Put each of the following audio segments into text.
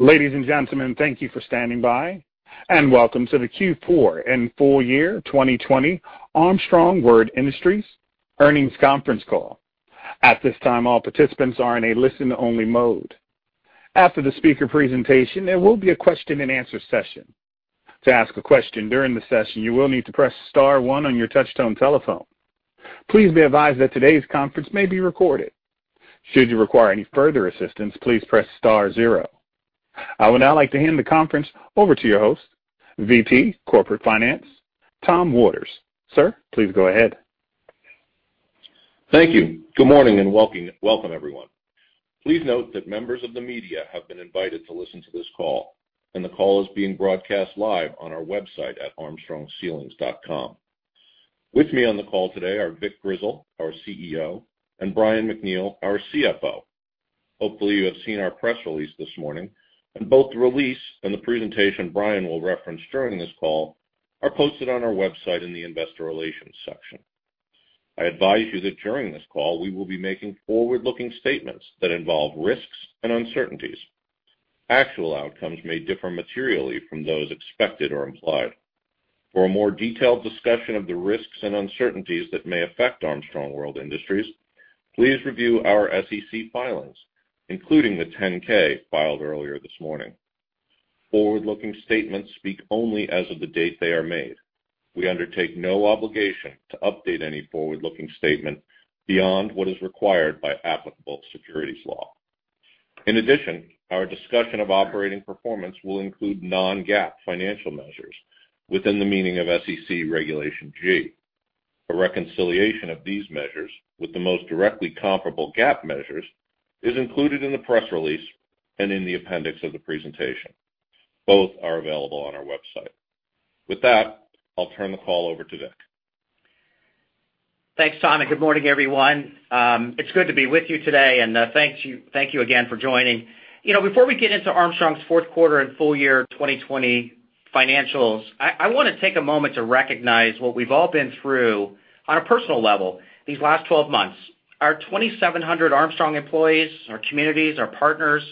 Ladies and gentlemen, thank you for standing by, and welcome to the Q4 and full year 2020 Armstrong World Industries earnings conference call. At this time participants are ina a onlt-listen mode. After the presentation there will be a question and answer session. To ask a question during the session, you'll need to press one on your touch tone telepgone. Please be advised that today conference maybe recorded. Should you require further assistance please press star zero. I would now like to hand the conference over to your host, VP Corporate Finance, Tom Waters. Sir, please go ahead. Thank you. Good morning, and welcome, everyone. Please note that members of the media have been invited to listen to this call, and the call is being broadcast live on our website at armstrongceilings.com. With me on the call today are Vic Grizzle, our CEO, and Brian MacNeal, our CFO. Hopefully, you have seen our press release this morning, and both the release and the presentation Brian will reference during this call are posted on our website in the investor relations section. I advise you that during this call, we will be making forward-looking statements that involve risks and uncertainties. Actual outcomes may differ materially from those expected or implied. For a more detailed discussion of the risks and uncertainties that may affect Armstrong World Industries, please review our SEC filings, including the 10-K filed earlier this morning. Forward-looking statements speak only as of the date they are made. We undertake no obligation to update any forward-looking statement beyond what is required by applicable securities law. In addition, our discussion of operating performance will include non-GAAP financial measures within the meaning of SEC Regulation G. A reconciliation of these measures with the most directly comparable GAAP measures is included in the press release and in the appendix of the presentation. Both are available on our website. With that, I'll turn the call over to Vic. Thanks, Tom. Good morning, everyone. It's good to be with you today. Thank you again for joining. Before we get into Armstrong's fourth quarter and full year 2020 financials, I want to take a moment to recognize what we've all been through on a personal level these last 12 months. Our 2,700 Armstrong employees, our communities, our partners,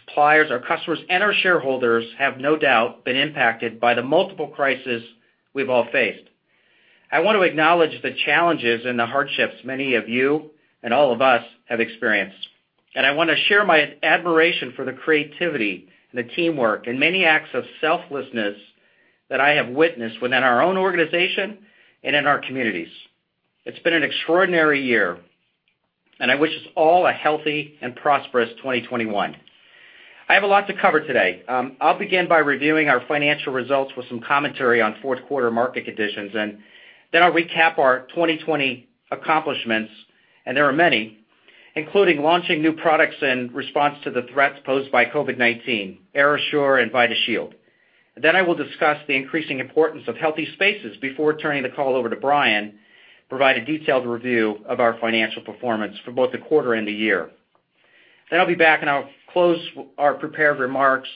suppliers, our customers, and our shareholders have no doubt been impacted by the multiple crises we've all faced. I want to acknowledge the challenges and the hardships many of you and all of us have experienced. I want to share my admiration for the creativity and the teamwork and many acts of selflessness that I have witnessed within our own organization and in our communities. It's been an extraordinary year. I wish us all a healthy and prosperous 2021. I have a lot to cover today. I'll begin by reviewing our financial results with some commentary on fourth quarter market conditions, and then I'll recap our 2020 accomplishments, and there are many, including launching new products in response to the threats posed by COVID-19, AirAssure and VidaShield. I will discuss the increasing importance of healthy spaces before turning the call over to Brian to provide a detailed review of our financial performance for both the quarter and the year. I'll be back, and I'll close our prepared remarks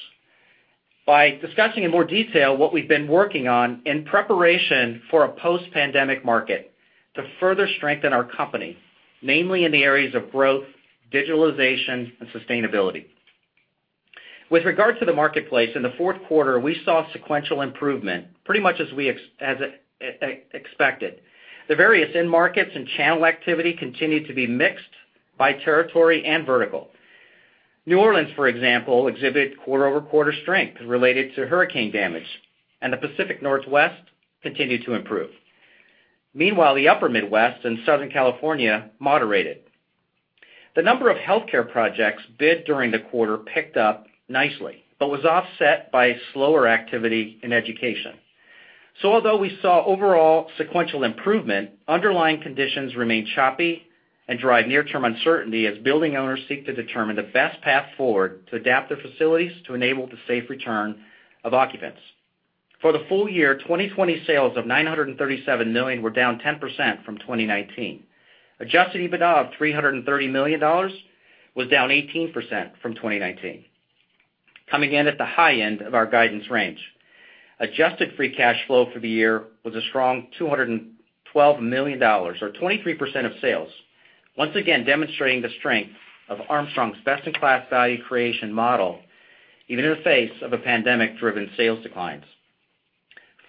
by discussing in more detail what we've been working on in preparation for a post-pandemic market to further strengthen our company, namely in the areas of growth, digitalization, and sustainability. With regard to the marketplace, in the fourth quarter, we saw sequential improvement, pretty much as expected. The various end markets and channel activity continued to be mixed by territory and vertical. New Orleans, for example, exhibited quarter-over-quarter strength related to hurricane damage, and the Pacific Northwest continued to improve. Meanwhile, the Upper Midwest and Southern California moderated. The number of healthcare projects bid during the quarter picked up nicely but was offset by slower activity in education. Although we saw overall sequential improvement, underlying conditions remained choppy and drive near-term uncertainty as building owners seek to determine the best path forward to adapt their facilities to enable the safe return of occupants. For the full year, 2020 sales of $937 million were down 10% from 2019. Adjusted EBITDA of $330 million was down 18% from 2019, coming in at the high end of our guidance range. Adjusted free cash flow for the year was a strong $212 million, or 23% of sales, once again demonstrating the strength of Armstrong's best-in-class value creation model, even in the face of a pandemic-driven sales declines.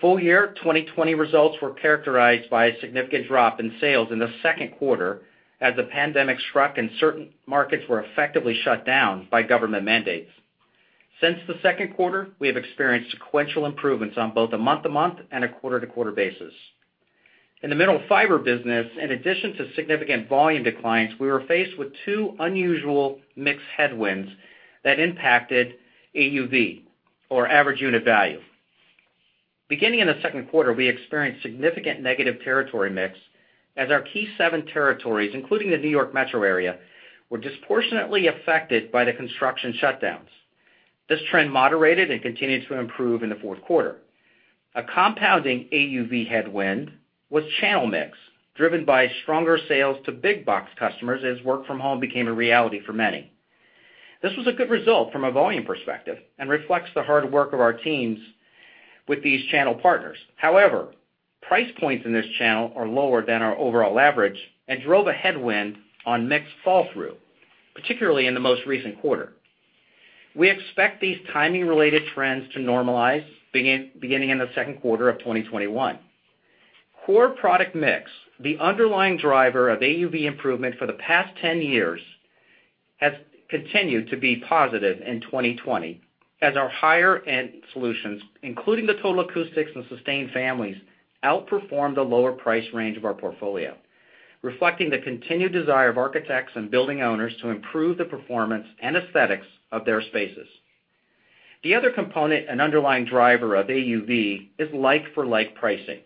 Full year 2020 results were characterized by a significant drop in sales in the second quarter as the pandemic struck and certain markets were effectively shut down by government mandates. Since the second quarter, we have experienced sequential improvements on both a month-to-month and a quarter-to-quarter basis. In the Mineral Fiber business, in addition to significant volume declines, we were faced with two unusual mix headwinds that impacted AUV, or Average Unit Value. Beginning in the second quarter, we experienced significant negative territory mix as our key seven territories, including the New York metro area, were disproportionately affected by the construction shutdowns. This trend moderated and continued to improve in the fourth quarter. A compounding AUV headwind was channel mix, driven by stronger sales to big box customers as work from home became a reality for many. This was a good result from a volume perspective and reflects the hard work of our teams with these channel partners. However, price points in this channel are lower than our overall average and drove a headwind on mixed fall-through, particularly in the most recent quarter. We expect these timing-related trends to normalize beginning in the second quarter of 2021. Core product mix, the underlying driver of AUV improvement for the past 10 years, has continued to be positive in 2020 as our higher-end solutions, including the Total Acoustics and Sustain families, outperformed the lower price range of our portfolio, reflecting the continued desire of architects and building owners to improve the performance and aesthetics of their spaces. The other component and underlying driver of AUV is like-for-like pricing.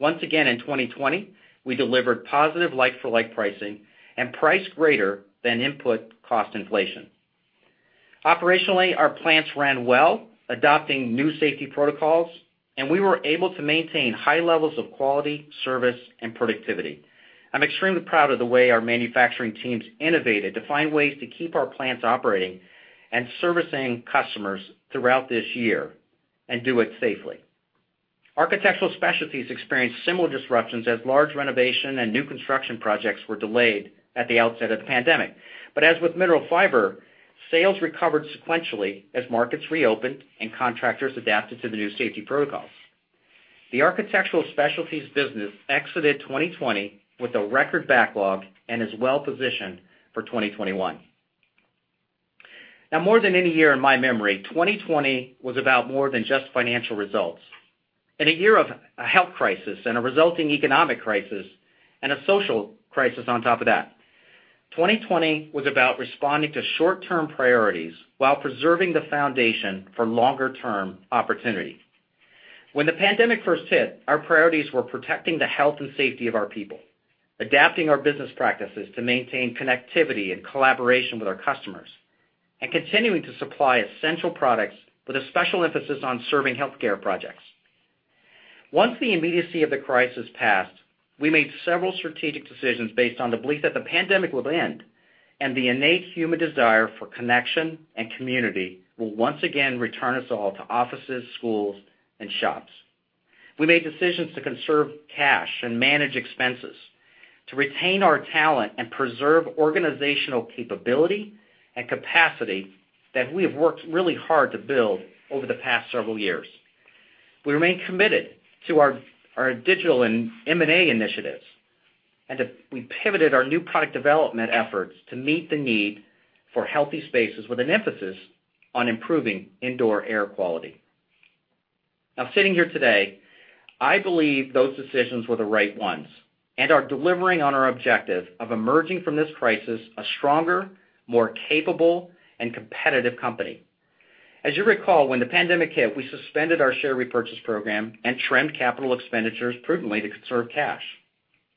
In 2020, we delivered positive like-for-like pricing and price greater than input cost inflation. Operationally, our plants ran well, adopting new safety protocols, and we were able to maintain high levels of quality, service, and productivity. I'm extremely proud of the way our manufacturing teams innovated to find ways to keep our plants operating and servicing customers throughout this year and do it safely. Architectural Specialties experienced similar disruptions as large renovation and new construction projects were delayed at the outset of the pandemic. As with Mineral Fiber, sales recovered sequentially as markets reopened and contractors adapted to the new safety protocols. The Architectural Specialties business exited 2020 with a record backlog and is well-positioned for 2021. More than any year in my memory, 2020 was about more than just financial results. In a year of a health crisis and a resulting economic crisis and a social crisis on top of that, 2020 was about responding to short-term priorities while preserving the foundation for longer-term opportunity. When the pandemic first hit, our priorities were protecting the health and safety of our people, adapting our business practices to maintain connectivity and collaboration with our customers, and continuing to supply essential products with a special emphasis on serving healthcare projects. Once the immediacy of the crisis passed, we made several strategic decisions based on the belief that the pandemic would end, and the innate human desire for connection and community will once again return us all to offices, schools, and shops. We made decisions to conserve cash and manage expenses, to retain our talent, and preserve organizational capability and capacity that we have worked really hard to build over the past several years. We remain committed to our digital and M&A initiatives. We pivoted our new product development efforts to meet the need for healthy spaces with an emphasis on improving indoor air quality. Sitting here today, I believe those decisions were the right ones and are delivering on our objective of emerging from this crisis a stronger, more capable, and competitive company. As you recall, when the pandemic hit, we suspended our share repurchase program and trimmed capital expenditures prudently to conserve cash.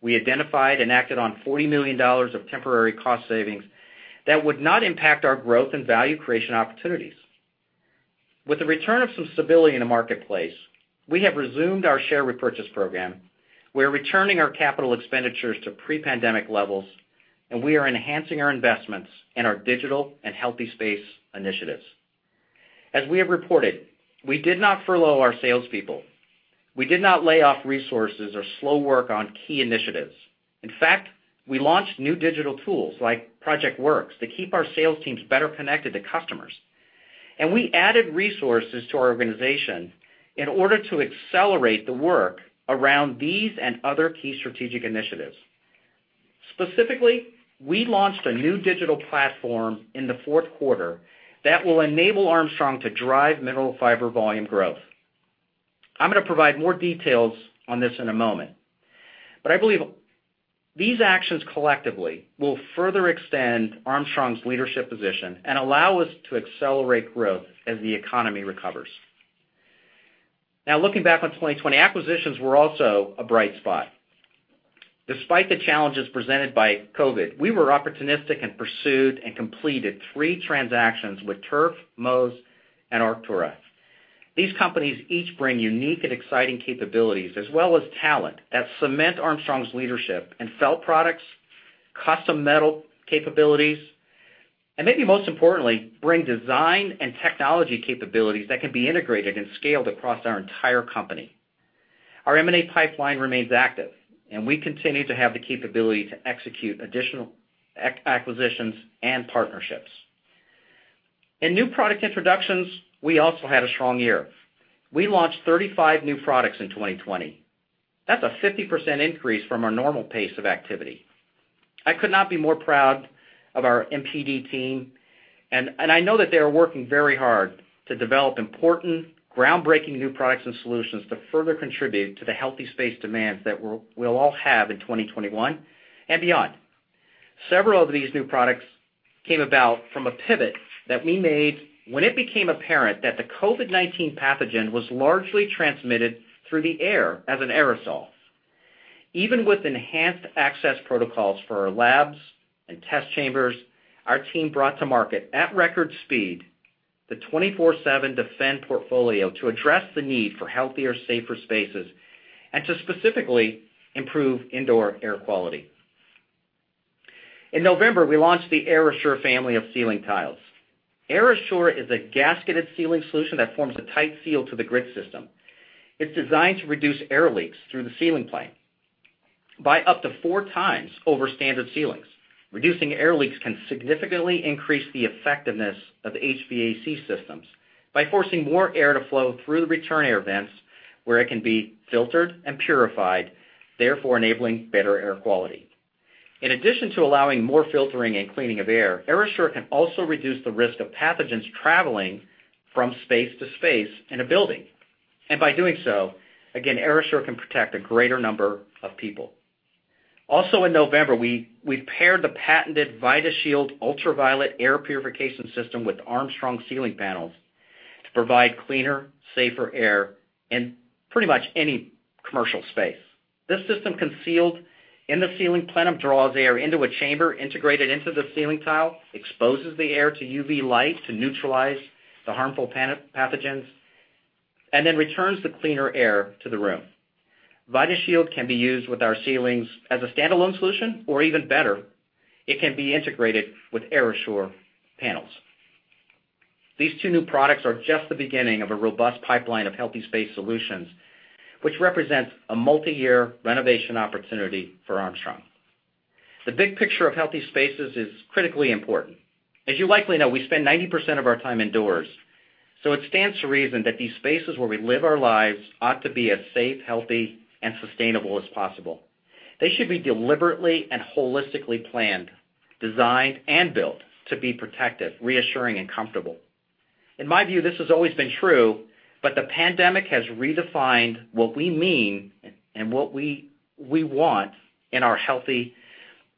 We identified and acted on $40 million of temporary cost savings that would not impact our growth and value creation opportunities. With the return of some stability in the marketplace, we have resumed our share repurchase program, we are returning our capital expenditures to pre-pandemic levels, and we are enhancing our investments in our digital and healthy space initiatives. As we have reported, we did not furlough our salespeople. We did not lay off resources or slow work on key initiatives. In fact, we launched new digital tools like ProjectWorks to keep our sales teams better connected to customers. We added resources to our organization in order to accelerate the work around these and other key strategic initiatives. Specifically, we launched a new digital platform in the fourth quarter that will enable Armstrong to drive Mineral Fiber volume growth. I'm going to provide more details on this in a moment, but I believe these actions collectively will further extend Armstrong's leadership position and allow us to accelerate growth as the economy recovers. Looking back on 2020, acquisitions were also a bright spot. Despite the challenges presented by COVID, we were opportunistic and pursued and completed three transactions with TURF, Móz, and Arktura. These companies each bring unique and exciting capabilities, as well as talent, that cement Armstrong's leadership in felt products, custom metal capabilities, and maybe most importantly, bring design and technology capabilities that can be integrated and scaled across our entire company. Our M&A pipeline remains active, and we continue to have the capability to execute additional acquisitions and partnerships. In new product introductions, we also had a strong year. We launched 35 new products in 2020. That's a 50% increase from our normal pace of activity. I could not be more proud of our NPD team, and I know that they are working very hard to develop important, groundbreaking new products and solutions to further contribute to the healthy space demands that we'll all have in 2021 and beyond. Several of these new products came about from a pivot that we made when it became apparent that the COVID-19 pathogen was largely transmitted through the air as an aerosol. Even with enhanced access protocols for our labs and test chambers, our team brought to market, at record speed, the 24/7 Defend portfolio to address the need for healthier, safer spaces and to specifically improve indoor air quality. In November, we launched the AirAssure family of ceiling tiles. AirAssure is a gasketed ceiling solution that forms a tight seal to the grid system. It's designed to reduce air leaks through the ceiling plane by up to four times over standard ceilings. Reducing air leaks can significantly increase the effectiveness of HVAC systems by forcing more air to flow through the return air vents, where it can be filtered and purified, therefore enabling better air quality. In addition to allowing more filtering and cleaning of air, AirAssure can also reduce the risk of pathogens traveling from space to space in a building. By doing so, again, AirAssure can protect a greater number of people. Also in November, we paired the patented VidaShield ultraviolet air purification system with Armstrong ceiling panels to provide cleaner, safer air in pretty much any commercial space. This system, concealed in the ceiling plenum, draws air into a chamber integrated into the ceiling tile, exposes the air to UV light to neutralize the harmful pathogens, and then returns the cleaner air to the room. VidaShield can be used with our ceilings as a standalone solution, or even better, it can be integrated with AirAssure panels. These two new products are just the beginning of a robust pipeline of healthy space solutions, which represents a multi-year renovation opportunity for Armstrong. The big picture of healthy spaces is critically important. As you likely know, we spend 90% of our time indoors, so it stands to reason that these spaces where we live our lives ought to be as safe, healthy, and sustainable as possible. They should be deliberately and holistically planned, designed, and built to be protective, reassuring, and comfortable. In my view, this has always been true, but the pandemic has redefined what we mean and what we want in our healthy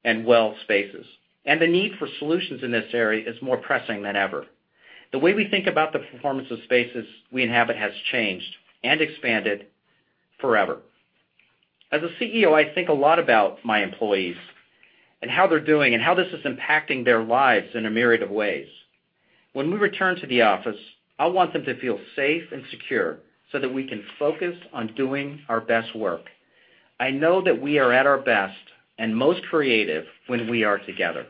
and well spaces, and the need for solutions in this area is more pressing than ever. The way we think about the performance of spaces we inhabit has changed and expanded forever. As a CEO, I think a lot about my employees and how they're doing, and how this is impacting their lives in a myriad of ways. When we return to the office, I want them to feel safe and secure so that we can focus on doing our best work. I know that we are at our best and most creative when we are together.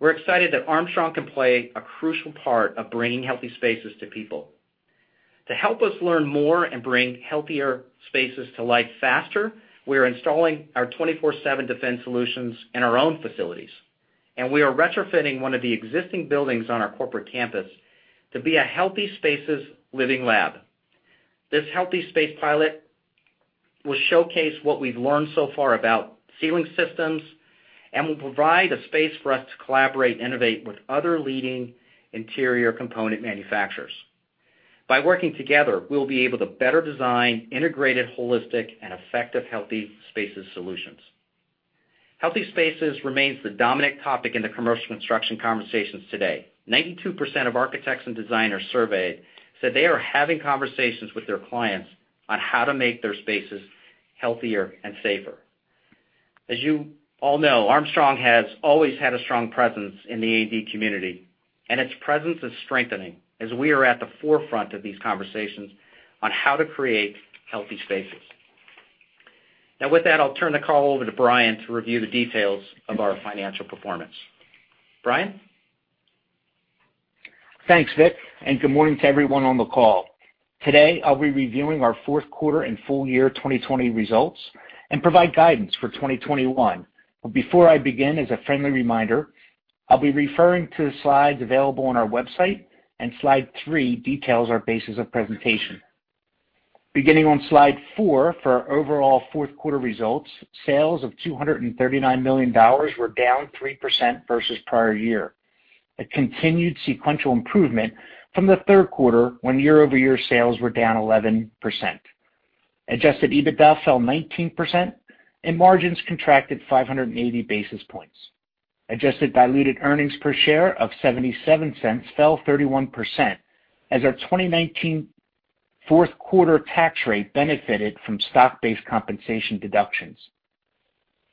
We're excited that Armstrong can play a crucial part of bringing healthy spaces to people. To help us learn more and bring healthier spaces to life faster, we are installing our 24/7 Defend Solutions in our own facilities, and we are retrofitting one of the existing buildings on our corporate campus to be a healthy spaces living lab. This healthy space pilot will showcase what we've learned so far about ceiling systems and will provide a space for us to collaborate and innovate with other leading interior component manufacturers. By working together, we'll be able to better design integrated, holistic, and effective healthy spaces solutions. Healthy spaces remains the dominant topic in the commercial construction conversations today. 92% of architects and designers surveyed said they are having conversations with their clients on how to make their spaces healthier and safer. As you all know, Armstrong has always had a strong presence in the A&D community, and its presence is strengthening as we are at the forefront of these conversations on how to create healthy spaces. Now with that, I'll turn the call over to Brian to review the details of our financial performance. Brian? Thanks, Vic, and good morning to everyone on the call. Today, I'll be reviewing our fourth quarter and full year 2020 results and provide guidance for 2021. Before I begin, as a friendly reminder, I'll be referring to the slides available on our website, and Slide 3 details our basis of presentation. Beginning on Slide 4, for our overall fourth quarter results, sales of $239 million were down 3% versus prior year, a continued sequential improvement from the third quarter, when year-over-year sales were down 11%. Adjusted EBITDA fell 19%, and margins contracted 580 basis points. Adjusted diluted earnings per share of $0.77 fell 31%, as our 2019 fourth quarter tax rate benefited from stock-based compensation deductions.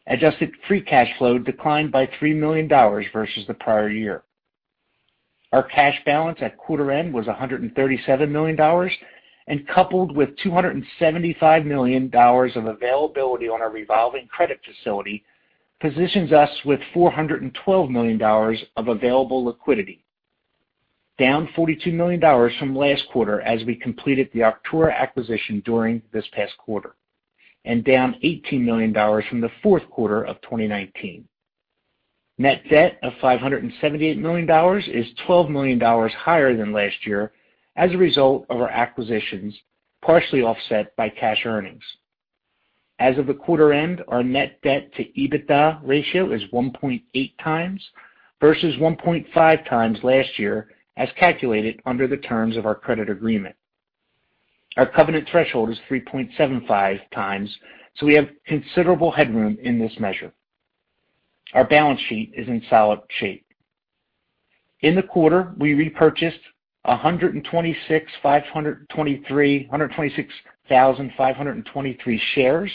Adjusted free cash flow declined by $3 million versus the prior year. Our cash balance at quarter end was $137 million, and coupled with $275 million of availability on our revolving credit facility positions us with $412 million of available liquidity, down $42 million from last quarter as we completed the Arktura acquisition during this past quarter, and down $18 million from the fourth quarter of 2019. Net debt of $578 million is $12 million higher than last year as a result of our acquisitions, partially offset by cash earnings. As of the quarter end, our net debt to EBITDA ratio is 1.8x versus 1.5x last year as calculated under the terms of our credit agreement. Our covenant threshold is 3.75x, so we have considerable headroom in this measure. Our balance sheet is in solid shape. In the quarter, we repurchased 126,523 shares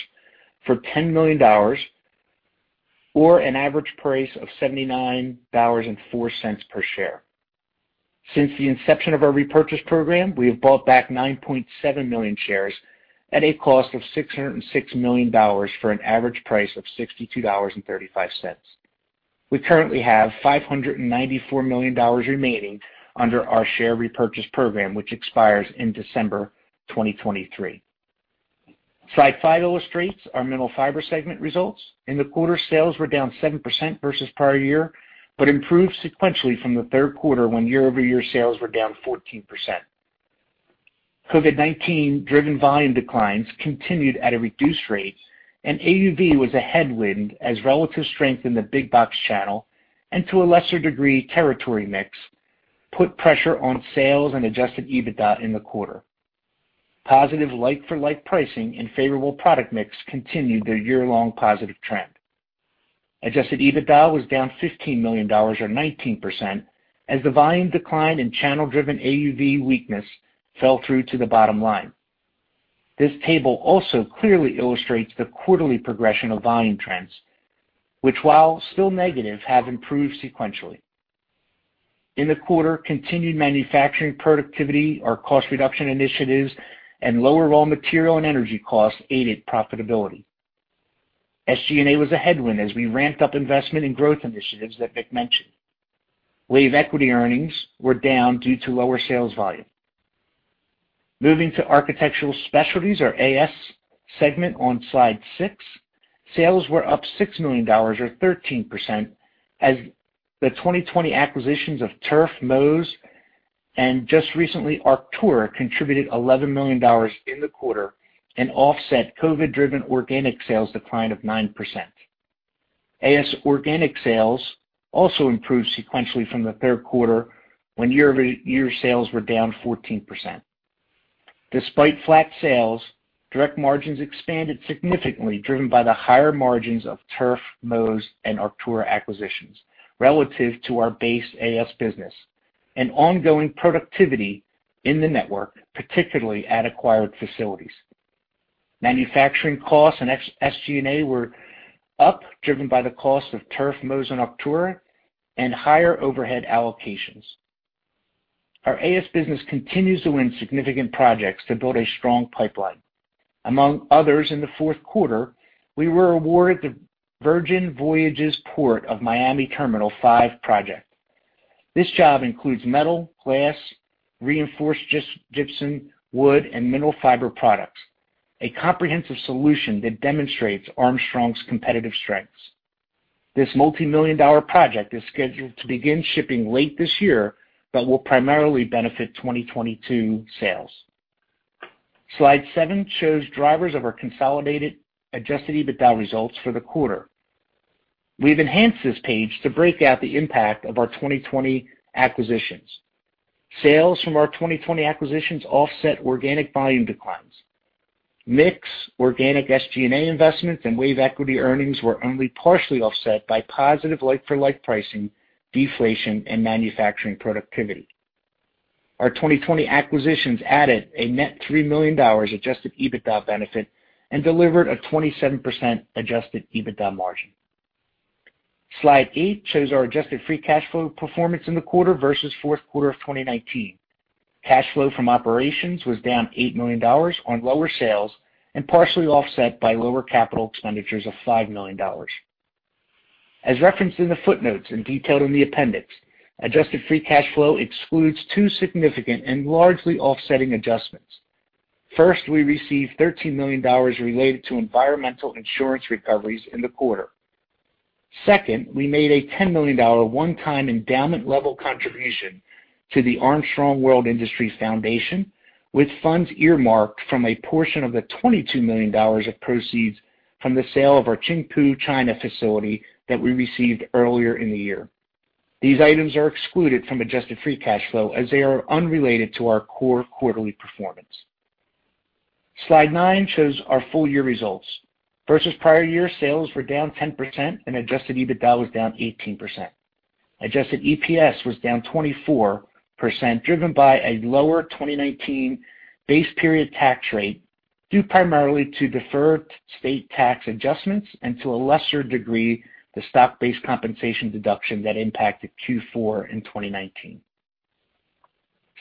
for $10 million, or an average price of $79.04 per share. Since the inception of our repurchase program, we have bought back 9.7 million shares at a cost of $606 million for an average price of $62.35. We currently have $594 million remaining under our share repurchase program, which expires in December 2023. Slide five illustrates our Mineral Fiber segment results. In the quarter, sales were down 7% versus prior year, but improved sequentially from the third quarter, when year-over-year sales were down 14%. COVID-19-driven volume declines continued at a reduced rate, and AUV was a headwind as relative strength in the big box channel, and to a lesser degree, territory mix, put pressure on sales and adjusted EBITDA in the quarter. Positive like-for-like pricing and favorable product mix continued their year-long positive trend. Adjusted EBITDA was down $15 million, or 19%, as the volume decline and channel-driven AUV weakness fell through to the bottom line. This table also clearly illustrates the quarterly progression of volume trends, which, while still negative, have improved sequentially. In the quarter, continued manufacturing productivity, our cost reduction initiatives, and lower raw material and energy costs aided profitability. SG&A was a headwind as we ramped up investment in growth initiatives that Vic mentioned. WAVE equity earnings were down due to lower sales volume. Moving to Architectural Specialties, or AS segment, on Slide 6. Sales were up $6 million, or 13%, as the 2020 acquisitions of TURF, Móz, and just recently Arktura contributed $11 million in the quarter and offset COVID-driven organic sales decline of 9%. AS organic sales also improved sequentially from the third quarter, when year-over-year sales were down 14%. Despite flat sales, direct margins expanded significantly, driven by the higher margins of TURF Design, Móz Designs, and Arktura acquisitions relative to our base AS business and ongoing productivity in the network, particularly at acquired facilities. Manufacturing costs and SG&A were up, driven by the cost of TURF Design, Móz Designs, and Arktura, and higher overhead allocations. Our AS business continues to win significant projects to build a strong pipeline. Among others in the fourth quarter, we were awarded the Virgin Voyages Port of Miami Terminal V project. This job includes metal, glass, reinforced gypsum, wood, and mineral fiber products, a comprehensive solution that demonstrates Armstrong's competitive strengths. This multimillion-dollar project is scheduled to begin shipping late this year but will primarily benefit 2022 sales. Slide 7 shows drivers of our consolidated adjusted EBITDA results for the quarter. We've enhanced this page to break out the impact of our 2020 acquisitions. Sales from our 2020 acquisitions offset organic volume declines. Mix organic SG&A investments and WAVE equity earnings were only partially offset by positive like-for-like pricing, deflation, and manufacturing productivity. Our 2020 acquisitions added a net $3 million adjusted EBITDA benefit and delivered a 27% adjusted EBITDA margin. Slide 8 shows our adjusted free cash flow performance in the quarter versus fourth quarter of 2019. Cash flow from operations was down $8 million on lower sales and partially offset by lower capital expenditures of $5 million. As referenced in the footnotes and detailed in the appendix, adjusted free cash flow excludes two significant and largely offsetting adjustments. First, we received $13 million related to environmental insurance recoveries in the quarter. Second, we made a $10 million one-time endowment level contribution to the Armstrong World Industries Foundation, with funds earmarked from a portion of the $22 million of proceeds from the sale of our Chengdu, China facility that we received earlier in the year. These items are excluded from adjusted free cash flow as they are unrelated to our core quarterly performance. Slide 9 shows our full-year results. Versus prior year, sales were down 10% and adjusted EBITDA was down 18%. Adjusted EPS was down 24%, driven by a lower 2019 base period tax rate, due primarily to deferred state tax adjustments and, to a lesser degree, the stock-based compensation deduction that impacted Q4 in 2019.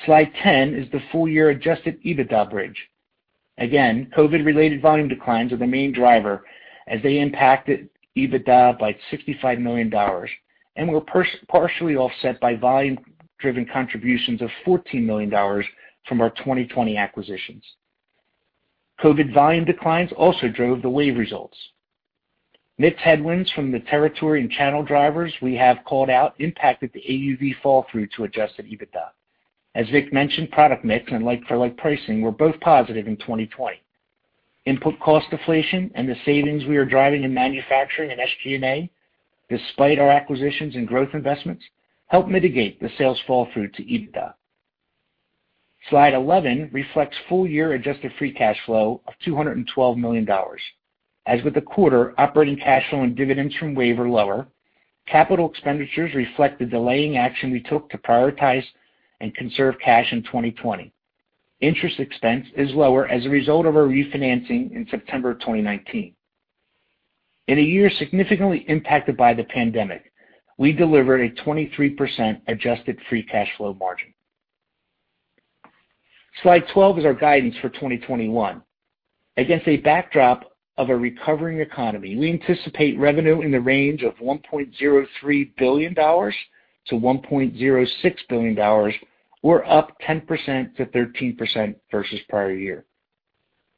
Slide 10 is the full-year adjusted EBITDA bridge. Again, COVID-related volume declines are the main driver as they impacted EBITDA by $65 million and were partially offset by volume-driven contributions of $14 million from our 2020 acquisitions. COVID volume declines also drove the WAVE results. Mix headwinds from the territory and channel drivers we have called out impacted the AUV fall through to adjusted EBITDA. As Vic mentioned, product mix and like-for-like pricing were both positive in 2020. Input cost deflation and the savings we are driving in manufacturing and SG&A, despite our acquisitions and growth investments, helped mitigate the sales fall through to EBITDA. Slide 11 reflects full-year adjusted free cash flow of $212 million. As with the quarter, operating cash flow and dividends from WAVE were lower. Capital expenditures reflect the delaying action we took to prioritize and conserve cash in 2020. Interest expense is lower as a result of our refinancing in September 2019. In a year significantly impacted by the pandemic, we delivered a 23% adjusted free cash flow margin. Slide 12 is our guidance for 2021. Against a backdrop of a recovering economy, we anticipate revenue in the range of $1.03 billion to $1.06 billion, or up 10%-13% versus prior year.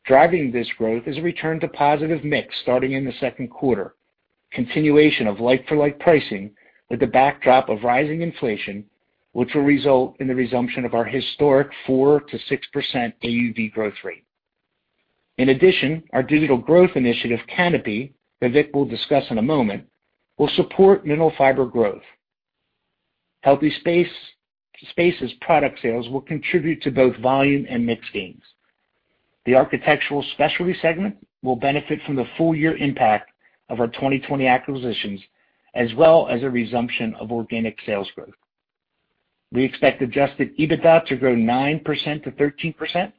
Driving this growth is a return to positive mix starting in the second quarter, continuation of like-for-like pricing with the backdrop of rising inflation, which will result in the resumption of our historic 4%-6% AUV growth rate. In addition, our digital growth initiative, kanopi, that Vic will discuss in a moment, will support Mineral Fiber growth. Healthy Spaces product sales will contribute to both volume and mix gains. The Architectural Specialties segment will benefit from the full year impact of our 2020 acquisitions, as well as a resumption of organic sales growth. We expect adjusted EBITDA to grow 9%-13%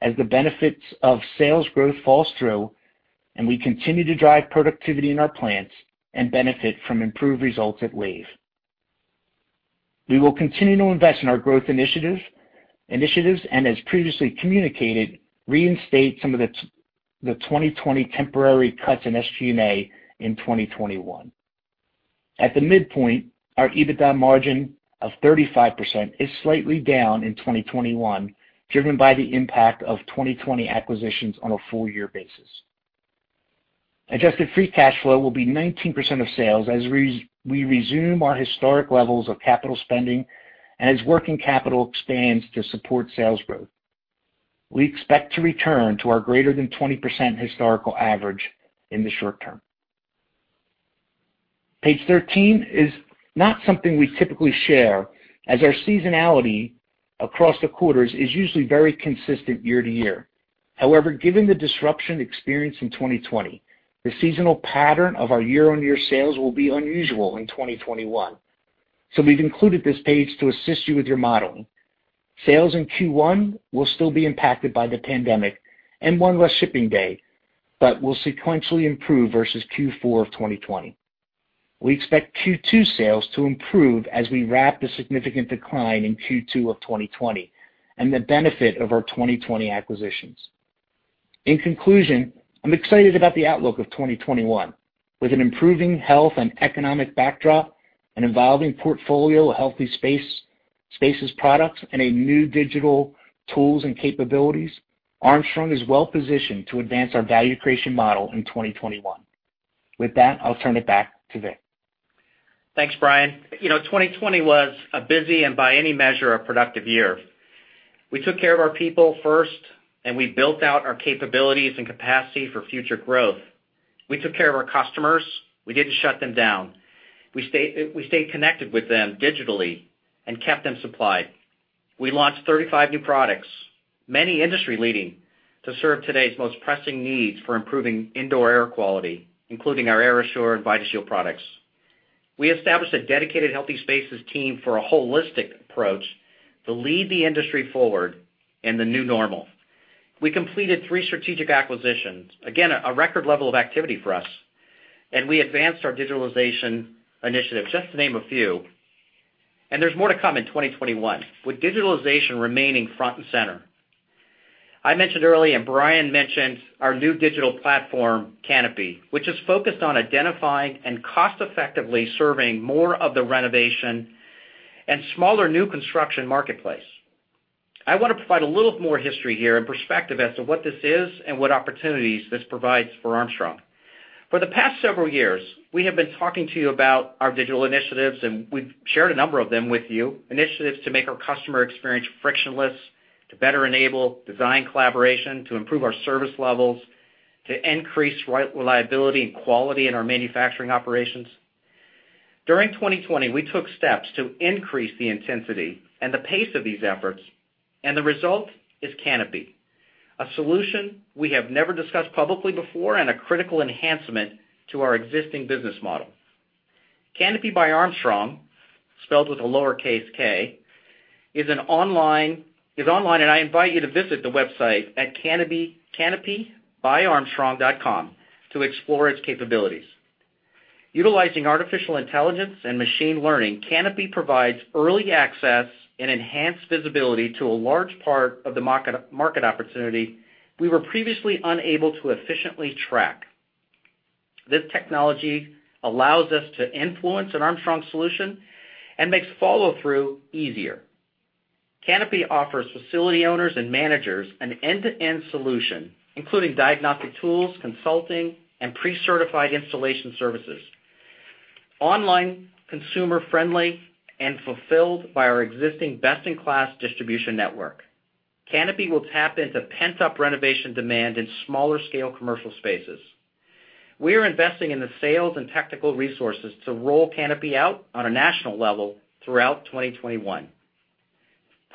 as the benefits of sales growth falls through and we continue to drive productivity in our plants and benefit from improved results at WAVE. We will continue to invest in our growth initiatives, as previously communicated, reinstate some of the 2020 temporary cuts in SG&A in 2021. At the midpoint, our EBITDA margin of 35% is slightly down in 2021, driven by the impact of 2020 acquisitions on a full year basis. Adjusted free cash flow will be 19% of sales as we resume our historic levels of capital spending and as working capital expands to support sales growth. We expect to return to our greater than 20% historical average in the short term. Page 13 is not something we typically share, as our seasonality across the quarters is usually very consistent year-to-year. However, given the disruption experienced in 2020, the seasonal pattern of our year-over-year sales will be unusual in 2021. We've included this page to assist you with your modeling. Sales in Q1 will still be impacted by the pandemic and one less shipping day, but will sequentially improve versus Q4 of 2020. We expect Q2 sales to improve as we wrap the significant decline in Q2 of 2020 and the benefit of our 2020 acquisitions. In conclusion, I'm excited about the outlook of 2021. With an improving health and economic backdrop, an evolving portfolio of Healthy Spaces products, and new digital tools and capabilities, Armstrong is well positioned to advance our value creation model in 2021. With that, I'll turn it back to Vic. Thanks, Brian. 2020 was a busy and, by any measure, a productive year. We took care of our people first. We built out our capabilities and capacity for future growth. We took care of our customers. We didn't shut them down. We stayed connected with them digitally and kept them supplied. We launched 35 new products, many industry-leading, to serve today's most pressing needs for improving indoor air quality, including our AirAssure and VidaShield products. We established a dedicated Healthy Spaces team for a holistic approach to lead the industry forward in the new normal. We completed three strategic acquisitions, again, a record level of activity for us. We advanced our digitalization initiative, just to name a few. There's more to come in 2021, with digitalization remaining front and center. I mentioned earlier, and Brian mentioned, our new digital platform, kanopi, which is focused on identifying and cost-effectively serving more of the renovation and smaller new construction marketplace. I want to provide a little more history here and perspective as to what this is and what opportunities this provides for Armstrong. For the past several years, we have been talking to you about our digital initiatives, and we've shared a number of them with you, initiatives to make our customer experience frictionless, to better enable design collaboration, to improve our service levels, to increase reliability and quality in our manufacturing operations. During 2020, we took steps to increase the intensity and the pace of these efforts, and the result is kanopi, a solution we have never discussed publicly before and a critical enhancement to our existing business model. kanopi by Armstrong, spelled with a lowercase k, is online, and I invite you to visit the website at kanopibyarmstrong.com to explore its capabilities. Utilizing artificial intelligence and machine learning, kanopi provides early access and enhanced visibility to a large part of the market opportunity we were previously unable to efficiently track. This technology allows us to influence an Armstrong solution and makes follow-through easier. kanopi offers facility owners and managers an end-to-end solution, including diagnostic tools, consulting, and pre-certified installation services. Online, consumer-friendly, and fulfilled by our existing best-in-class distribution network. kanopi will tap into pent-up renovation demand in smaller scale commercial spaces. We are investing in the sales and technical resources to roll kanopi out on a national level throughout 2021.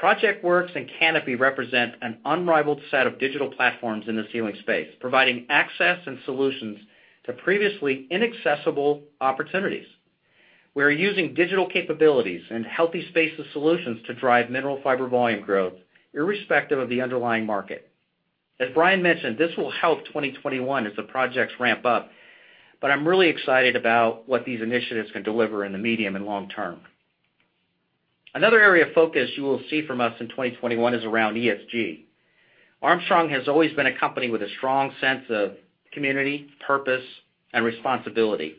ProjectWorks and kanopi represent an unrivaled set of digital platforms in the ceiling space, providing access and solutions to previously inaccessible opportunities. We're using digital capabilities and healthy spaces solutions to drive Mineral Fiber volume growth, irrespective of the underlying market. As Brian mentioned, this will help 2021 as the projects ramp up, I'm really excited about what these initiatives can deliver in the medium and long term. Another area of focus you will see from us in 2021 is around ESG. Armstrong has always been a company with a strong sense of community, purpose, and responsibility.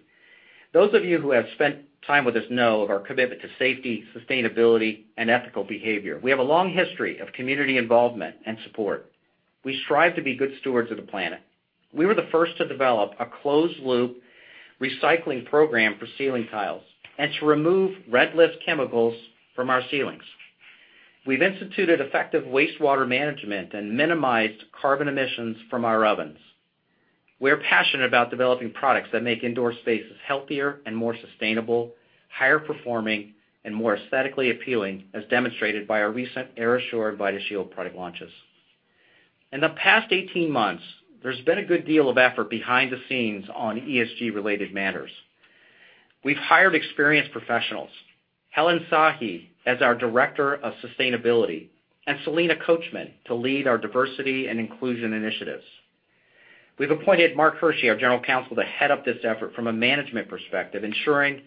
Those of you who have spent time with us know of our commitment to safety, sustainability, and ethical behavior. We have a long history of community involvement and support. We strive to be good stewards of the planet. We were the first to develop a closed-loop recycling program for ceiling tiles and to remove Red List chemicals from our ceilings. We've instituted effective wastewater management and minimized carbon emissions from our ovens. We are passionate about developing products that make indoor spaces healthier and more sustainable, higher performing, and more aesthetically appealing, as demonstrated by our recent AirAssure and VidaShield product launches. In the past 18 months, there's been a good deal of effort behind the scenes on ESG-related matters. We've hired experienced professionals, Helen Sahi as our Director of Sustainability and Salena Coachman to lead our diversity and inclusion initiatives. We've appointed Mark Hershey, our general counsel, to head up this effort from a management perspective, ensuring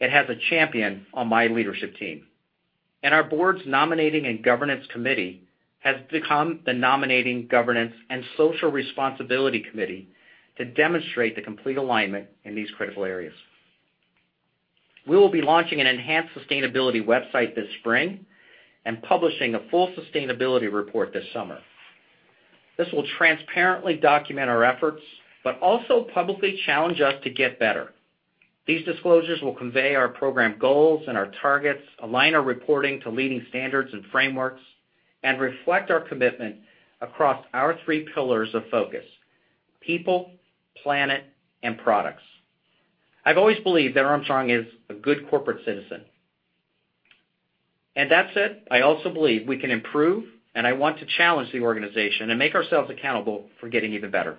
it has a champion on my leadership team. Our board's Nominating and Governance Committee has become the Nominating, Governance and Social Responsibility Committee to demonstrate the complete alignment in these critical areas. We will be launching an enhanced sustainability website this spring and publishing a full sustainability report this summer. This will transparently document our efforts, but also publicly challenge us to get better. These disclosures will convey our program goals and our targets, align our reporting to leading standards and frameworks, and reflect our commitment across our three pillars of focus, people, planet, and products. I've always believed that Armstrong is a good corporate citizen. That said, I also believe we can improve, and I want to challenge the organization and make ourselves accountable for getting even better.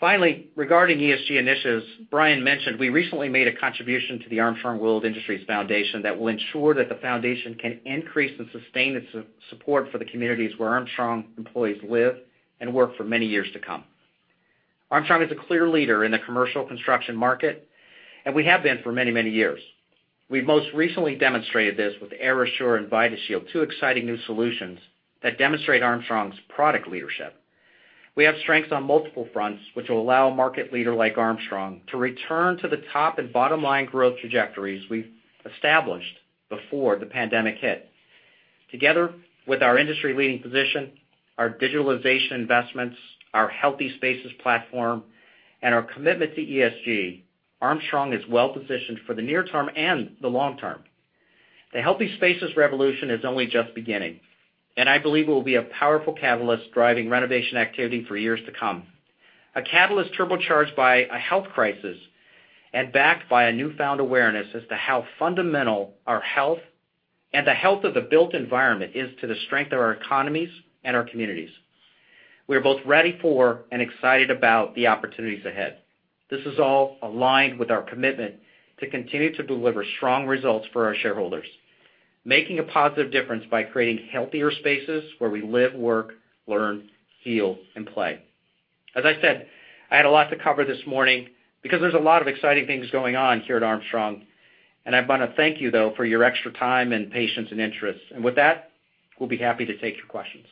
Finally, regarding ESG initiatives, Brian mentioned we recently made a contribution to the Armstrong World Industries Foundation that will ensure that the foundation can increase and sustain its support for the communities where Armstrong employees live and work for many years to come. Armstrong is a clear leader in the commercial construction market, and we have been for many, many years. We've most recently demonstrated this with AirAssure and VidaShield, two exciting new solutions that demonstrate Armstrong's product leadership. We have strengths on multiple fronts, which will allow a market leader like Armstrong to return to the top and bottom line growth trajectories we've established before the pandemic hit. Together with our industry-leading position, our digitalization investments, our Healthy Spaces platform, and our commitment to ESG, Armstrong is well-positioned for the near term and the long term. The Healthy Spaces revolution is only just beginning, and I believe it will be a powerful catalyst driving renovation activity for years to come. A catalyst turbocharged by a health crisis and backed by a newfound awareness as to how fundamental our health and the health of the built environment is to the strength of our economies and our communities. We are both ready for and excited about the opportunities ahead. This is all aligned with our commitment to continue to deliver strong results for our shareholders, making a positive difference by creating healthier spaces where we live, work, learn, heal, and play. As I said, I had a lot to cover this morning because there is a lot of exciting things going on here at Armstrong, and I want to thank you, though, for your extra time and patience and interest. With that, we'll be happy to take your questions.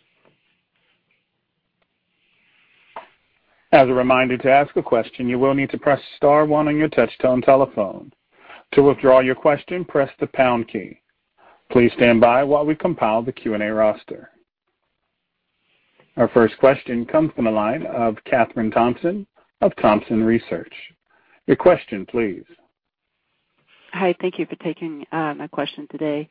Our first question comes from the line of Kathryn Thompson of Thompson Research Group. Your question, please. Hi. Thank you for taking my question today.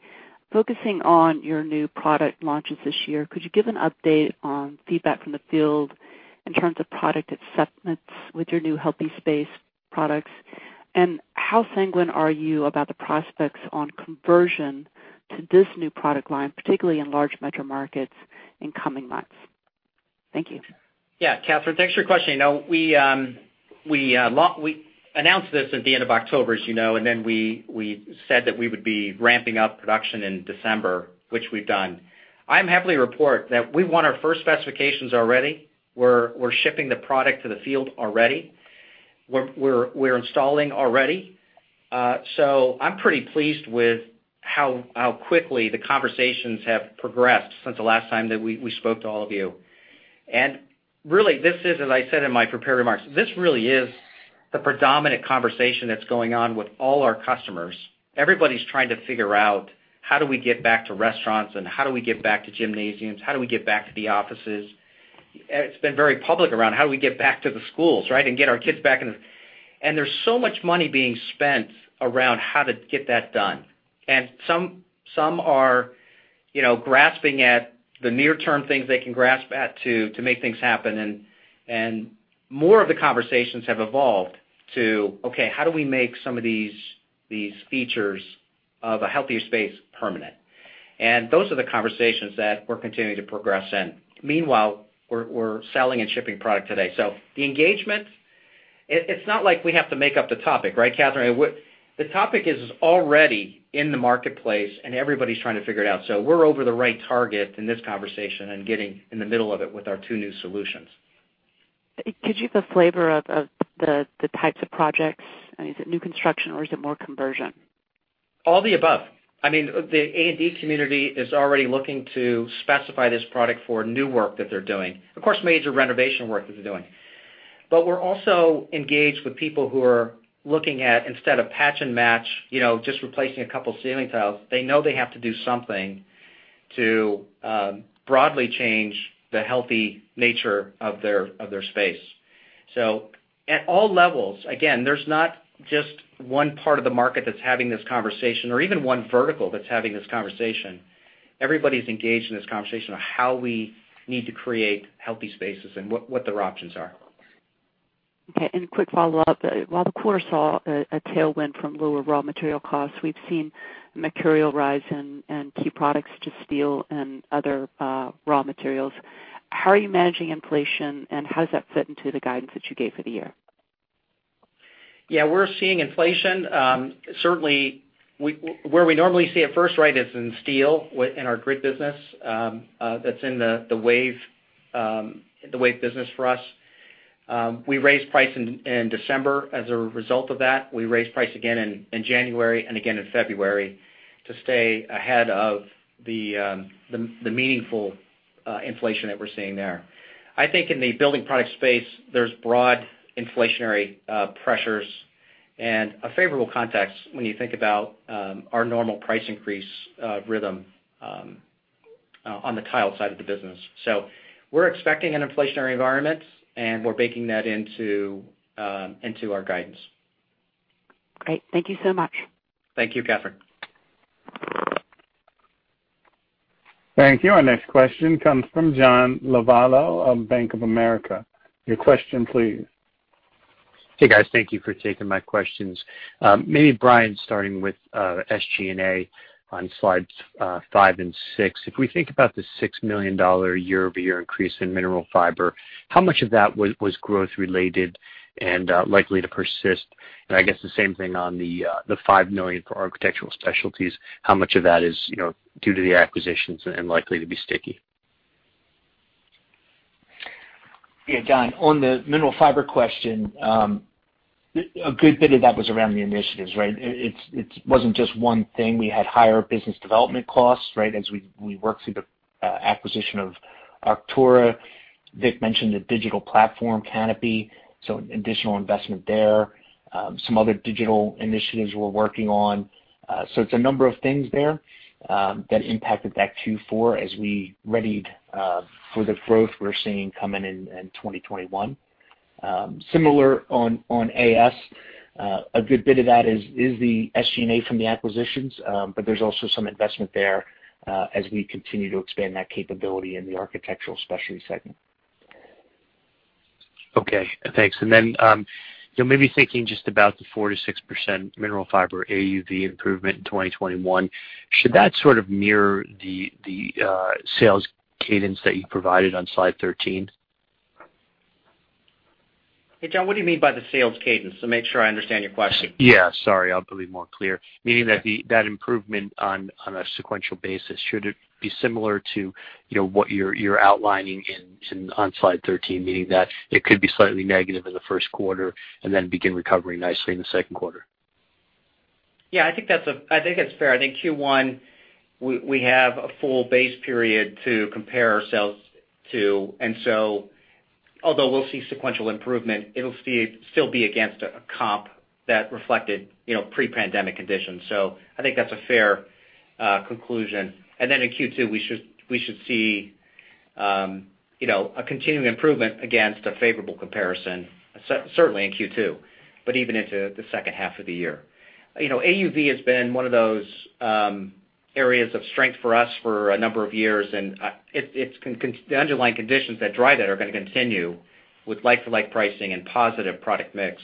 Focusing on your new product launches this year, could you give an update on feedback from the field in terms of product acceptance with your new Healthy Space products? How sanguine are you about the prospects on conversion to this new product line, particularly in large metro markets in coming months? Thank you. Yeah, Kathryn, thanks for your question. We announced this at the end of October, as you know, and then we said that we would be ramping up production in December, which we’ve done. I am happy to report that we won our first specifications already. We’re shipping the product to the field already. We’re installing already. I’m pretty pleased with how quickly the conversations have progressed since the last time that we spoke to all of you. Really, this is, as I said in my prepared remarks, this really is the predominant conversation that’s going on with all our customers. Everybody’s trying to figure out, how do we get back to restaurants and how do we get back to gymnasiums? How do we get back to the offices? It’s been very public around how do we get back to the schools, right, and get our kids back in. There's so much money being spent around how to get that done. Some are grasping at the near-term things they can grasp at to make things happen. More of the conversations have evolved to, okay, how do we make some of these features of a healthier space permanent. Those are the conversations that we're continuing to progress in. Meanwhile, we're selling and shipping product today. The engagement, it's not like we have to make up the topic, right, Kathryn? The topic is already in the marketplace, and everybody's trying to figure it out. We're over the right target in this conversation and getting in the middle of it with our two new solutions. Could you give a flavor of the types of projects? I mean, is it new construction or is it more conversion? All the above. I mean, the A&D community is already looking to specify this product for new work that they're doing, of course, major renovation work that they're doing. We're also engaged with people who are looking at, instead of patch and match, just replacing a couple ceiling tiles, they know they have to do something to broadly change the healthy nature of their space. At all levels, again, there's not just one part of the market that's having this conversation or even one vertical that's having this conversation. Everybody's engaged in this conversation on how we need to create healthy spaces and what their options are. Okay, a quick follow-up. While the core saw a tailwind from lower raw material costs, we've seen material rise in key products to steel and other raw materials. How are you managing inflation, and how does that fit into the guidance that you gave for the year? Yeah, we're seeing inflation. Certainly, where we normally see it first, is in steel, in our grid business. That's in the WAVE business for us. We raised price in December as a result of that. We raised price again in January and again in February to stay ahead of the meaningful inflation that we're seeing there. I think in the building product space, there's broad inflationary pressures and a favorable context when you think about our normal price increase rhythm on the tile side of the business. We're expecting an inflationary environment, and we're baking that into our guidance. Great. Thank you so much. Thank you, Kathryn. Thank you. Our next question comes from John Lovallo of Bank of America. Your question, please. Hey, guys. Thank you for taking my questions. Maybe Brian, starting with SG&A on Slides 5 and 6. If we think about the $6 million year-over-year increase in Mineral Fiber, how much of that was growth related and likely to persist? I guess the same thing on the $5 million for Architectural Specialties, how much of that is due to the acquisitions and likely to be sticky? Yeah, John, on the Mineral Fiber question, a good bit of that was around the initiatives, right? It wasn't just one thing. We had higher business development costs as we worked through the acquisition of Arktura. Vic mentioned the digital platform kanopi, so additional investment there. Some other digital initiatives we're working on. It's a number of things there that impacted that Q4 as we readied for the growth we're seeing coming in 2021. Similar on AS. A good bit of that is the SG&A from the acquisitions. There's also some investment there as we continue to expand that capability in the Architectural Specialties segment. Okay. Thanks. Maybe thinking just about the 4%-6% Mineral Fiber AUV improvement in 2021, should that sort of mirror the sales cadence that you provided on Slide 13? Hey, John, what do you mean by the sales cadence? Make sure I understand your question. Yeah. Sorry, I'll be more clear. Improvement on a sequential basis, should it be similar to what you're outlining on Slide 13, meaning that it could be slightly negative in the first quarter and then begin recovering nicely in the second quarter? Yeah, I think that's fair. I think Q1, we have a full base period to compare ourselves to. Although we'll see sequential improvement, it'll still be against a comp that reflected pre-pandemic conditions. I think that's a fair conclusion. In Q2, we should see a continuing improvement against a favorable comparison, certainly in Q2, but even into the second half of the year. AUV has been one of those areas of strength for us for a number of years, and the underlying conditions that drive that are going to continue with like-for-like pricing and positive product mix.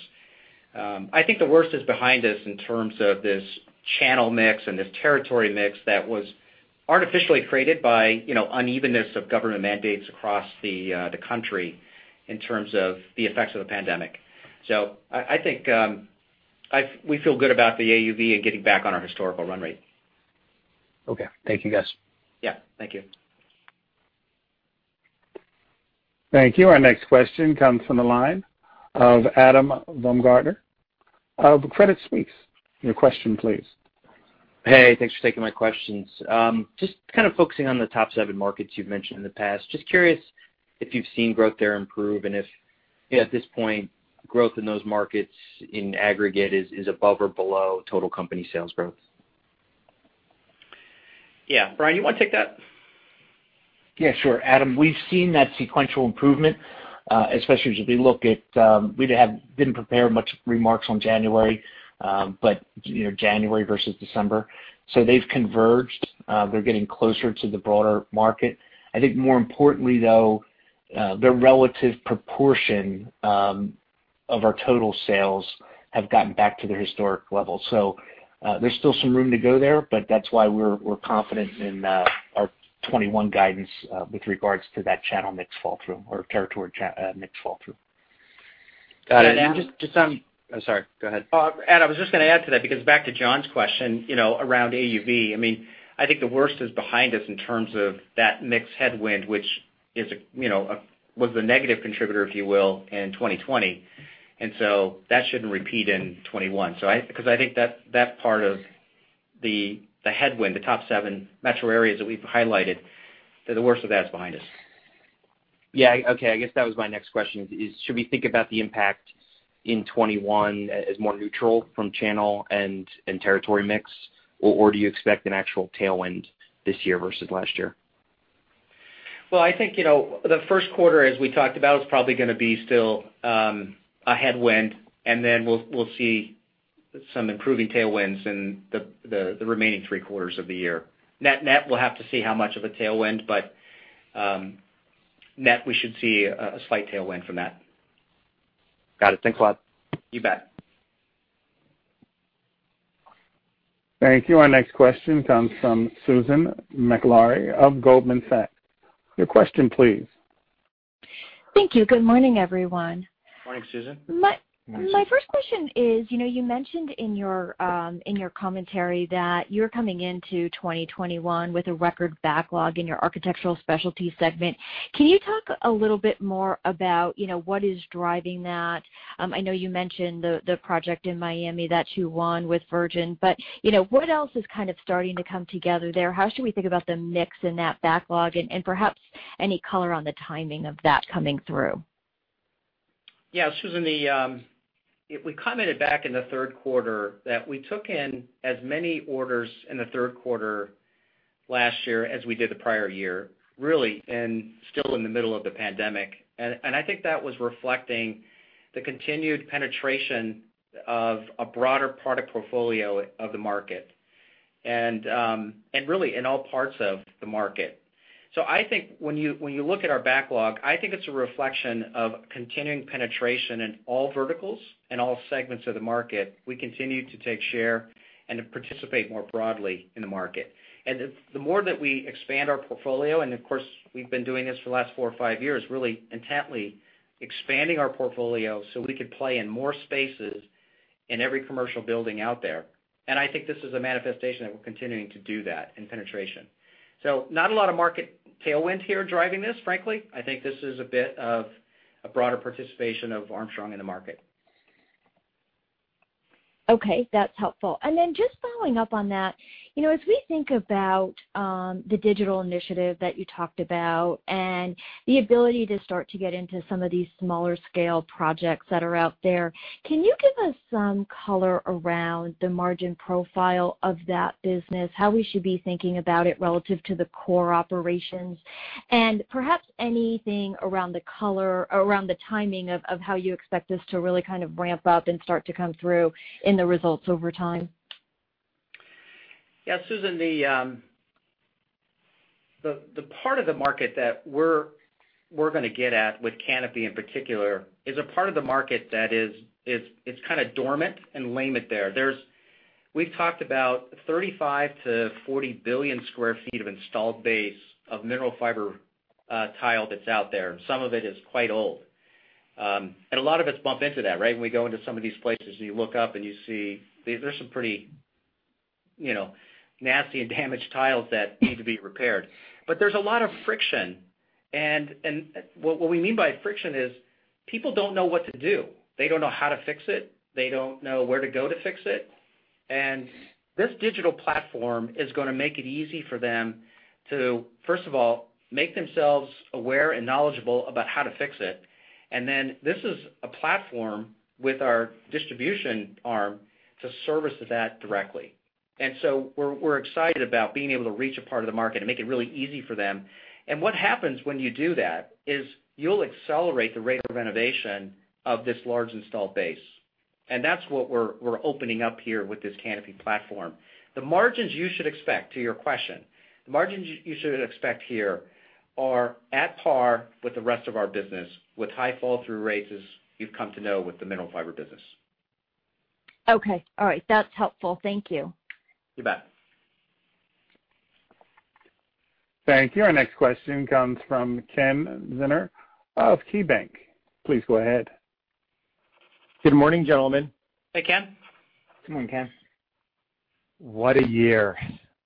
I think the worst is behind us in terms of this channel mix and this territory mix that was artificially created by unevenness of government mandates across the country in terms of the effects of the pandemic. I think we feel good about the AUV and getting back on our historical run rate. Okay. Thank you, guys. Yeah. Thank you. Thank you. Our next question comes from the line of Adam Baumgarten of Credit Suisse. Your question, please. Hey, thanks for taking my questions. Just kind of focusing on the top seven markets you've mentioned in the past. Just curious if you've seen growth there improve and if, at this point, growth in those markets in aggregate is above or below total company sales growth. Yeah. Brian, you want to take that? Yeah, sure. Adam, we've seen that sequential improvement, especially as we look at, we didn't prepare much remarks on January, but January versus December. They've converged. They're getting closer to the broader market. I think more importantly, though, their relative proportion of our total sales have gotten back to their historic levels. There's still some room to go there, but that's why we're confident in our 2021 guidance with regards to that channel mix fall through or territory mix fall through. Got it. And just some- I'm sorry. Go ahead. I was just going to add to that, because back to John's question, around AUV, I think the worst is behind us in terms of that mix headwind, which was the negative contributor, if you will, in 2020. That shouldn't repeat in 2021. I think that part of the headwind, the top seven metro areas that we've highlighted, the worst of that is behind us. Yeah. Okay. I guess that was my next question, is should we think about the impact in 2021 as more neutral from channel and territory mix? Do you expect an actual tailwind this year versus last year? I think, the first quarter, as we talked about, is probably going to be still a headwind. We'll see some improving tailwinds in the remaining three quarters of the year. Net-net, we'll have to see how much of a tailwind. Net, we should see a slight tailwind from that. Got it. Thanks a lot. You bet. Thank you. Our next question comes from Susan Maklari of Goldman Sachs. Your question please. Thank you. Good morning, everyone. Morning, Susan. My first question is, you mentioned in your commentary that you're coming into 2021 with a record backlog in your Architectural Specialties segment. Can you talk a little bit more about what is driving that? I know you mentioned the project in Miami that you won with Virgin, what else is kind of starting to come together there? How should we think about the mix in that backlog, perhaps any color on the timing of that coming through? Yeah, Susan, we commented back in the third quarter that we took in as many orders in the third quarter last year as we did the prior year, really, and still in the middle of the pandemic. I think that was reflecting the continued penetration of a broader product portfolio of the market. Really in all parts of the market. I think when you look at our backlog, I think it's a reflection of continuing penetration in all verticals and all segments of the market. We continue to take share and to participate more broadly in the market. The more that we expand our portfolio, and of course, we've been doing this for the last four or five years, really intently expanding our portfolio so we could play in more spaces in every commercial building out there. I think this is a manifestation that we're continuing to do that in penetration. Not a lot of market tailwind here driving this, frankly. I think this is a bit of a broader participation of Armstrong in the market. Okay. That's helpful. Then just following up on that. As we think about the digital initiative that you talked about and the ability to start to get into some of these smaller scale projects that are out there, can you give us some color around the margin profile of that business, how we should be thinking about it relative to the core operations? Perhaps anything around the timing of how you expect this to really kind of ramp up and start to come through in the results over time? Yeah. Susan, the part of the market that we're going to get at with kanopi in particular, is a part of the market that is kind of dormant and lame there. We've talked about 35 bilion-40 billion square feet of installed base of mineral fiber tile that's out there. Some of it is quite old. A lot of us bump into that, right? When we go into some of these places, you look up and you see there's some pretty nasty and damaged tiles that need to be repaired. There's a lot of friction, and what we mean by friction is people don't know what to do. They don't know how to fix it. They don't know where to go to fix it. This digital platform is going to make it easy for them to, first of all, make themselves aware and knowledgeable about how to fix it. This is a platform with our distribution arm to service that directly. We're excited about being able to reach a part of the market and make it really easy for them. What happens when you do that is you'll accelerate the rate of renovation of this large installed base. That's what we're opening up here with this kanopi platform. The margins you should expect, to your question, the margins you should expect here are at par with the rest of our business, with high fall through rates, as you've come to know with the Mineral Fiber business. Okay. All right. That's helpful. Thank you. You bet. Thank you. Our next question comes from Ken Zener of KeyBanc Capital Markets. Please go ahead. Good morning, gentlemen. Hey, Ken. Good morning, Ken. What a year.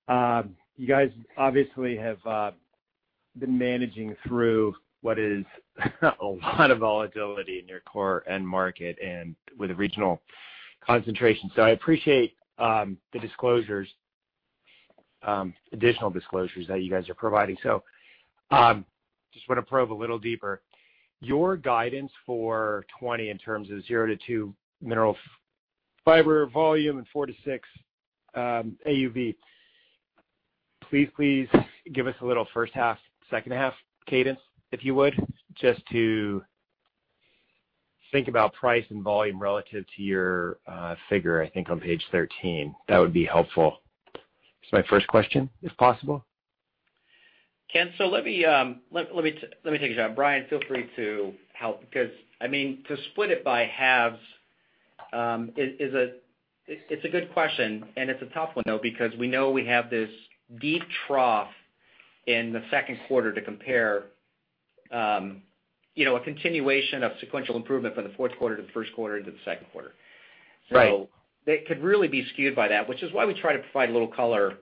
You guys obviously have been managing through what is a lot of volatility in your core end market and with a regional concentration. I appreciate the additional disclosures that you guys are providing. Just want to probe a little deeper. Your guidance for 2020 in terms of zero to two Mineral Fiber volume and four to six AUV. Please give us a little first half, second half cadence, if you would, just to think about price and volume relative to your figure, I think on Page 13. That would be helpful. It's my first question, if possible. Ken, let me take a shot. Brian, feel free to help because to split it by halves, it's a good question and it's a tough one, though, because we know we have this deep trough in the second quarter to compare, a continuation of sequential improvement from the fourth quarter to the first quarter into the second quarter. Right. It could really be skewed by that, which is why we try to provide a little color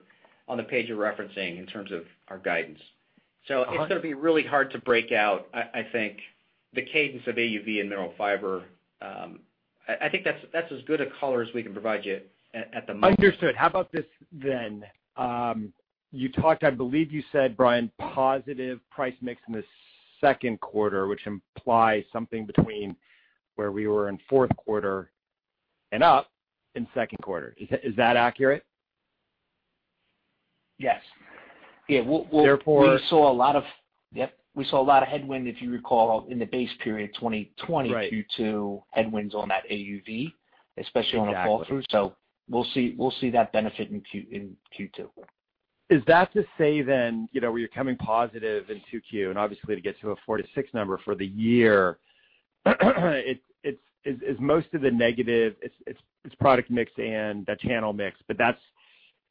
on the page you're referencing in terms of our guidance. It's going to be really hard to break out, I think, the cadence of AUV and Mineral Fiber. I think that's as good a color as we can provide you at the moment. Understood. How about this then? You talked, I believe you said, Brian, positive price mix in the second quarter, which implies something between where we were in fourth quarter and up in second quarter. Is that accurate? Yes. Therefore- We saw a lot of headwind, if you recall, in the base period 2020. Right due to headwinds on that AUV, especially on the fall through. Exactly. We'll see that benefit in Q2. Is that to say, where you're coming positive in 2Q, and obviously to get to a four to six number for the year, is most of the negative, it's product mix and the channel mix, but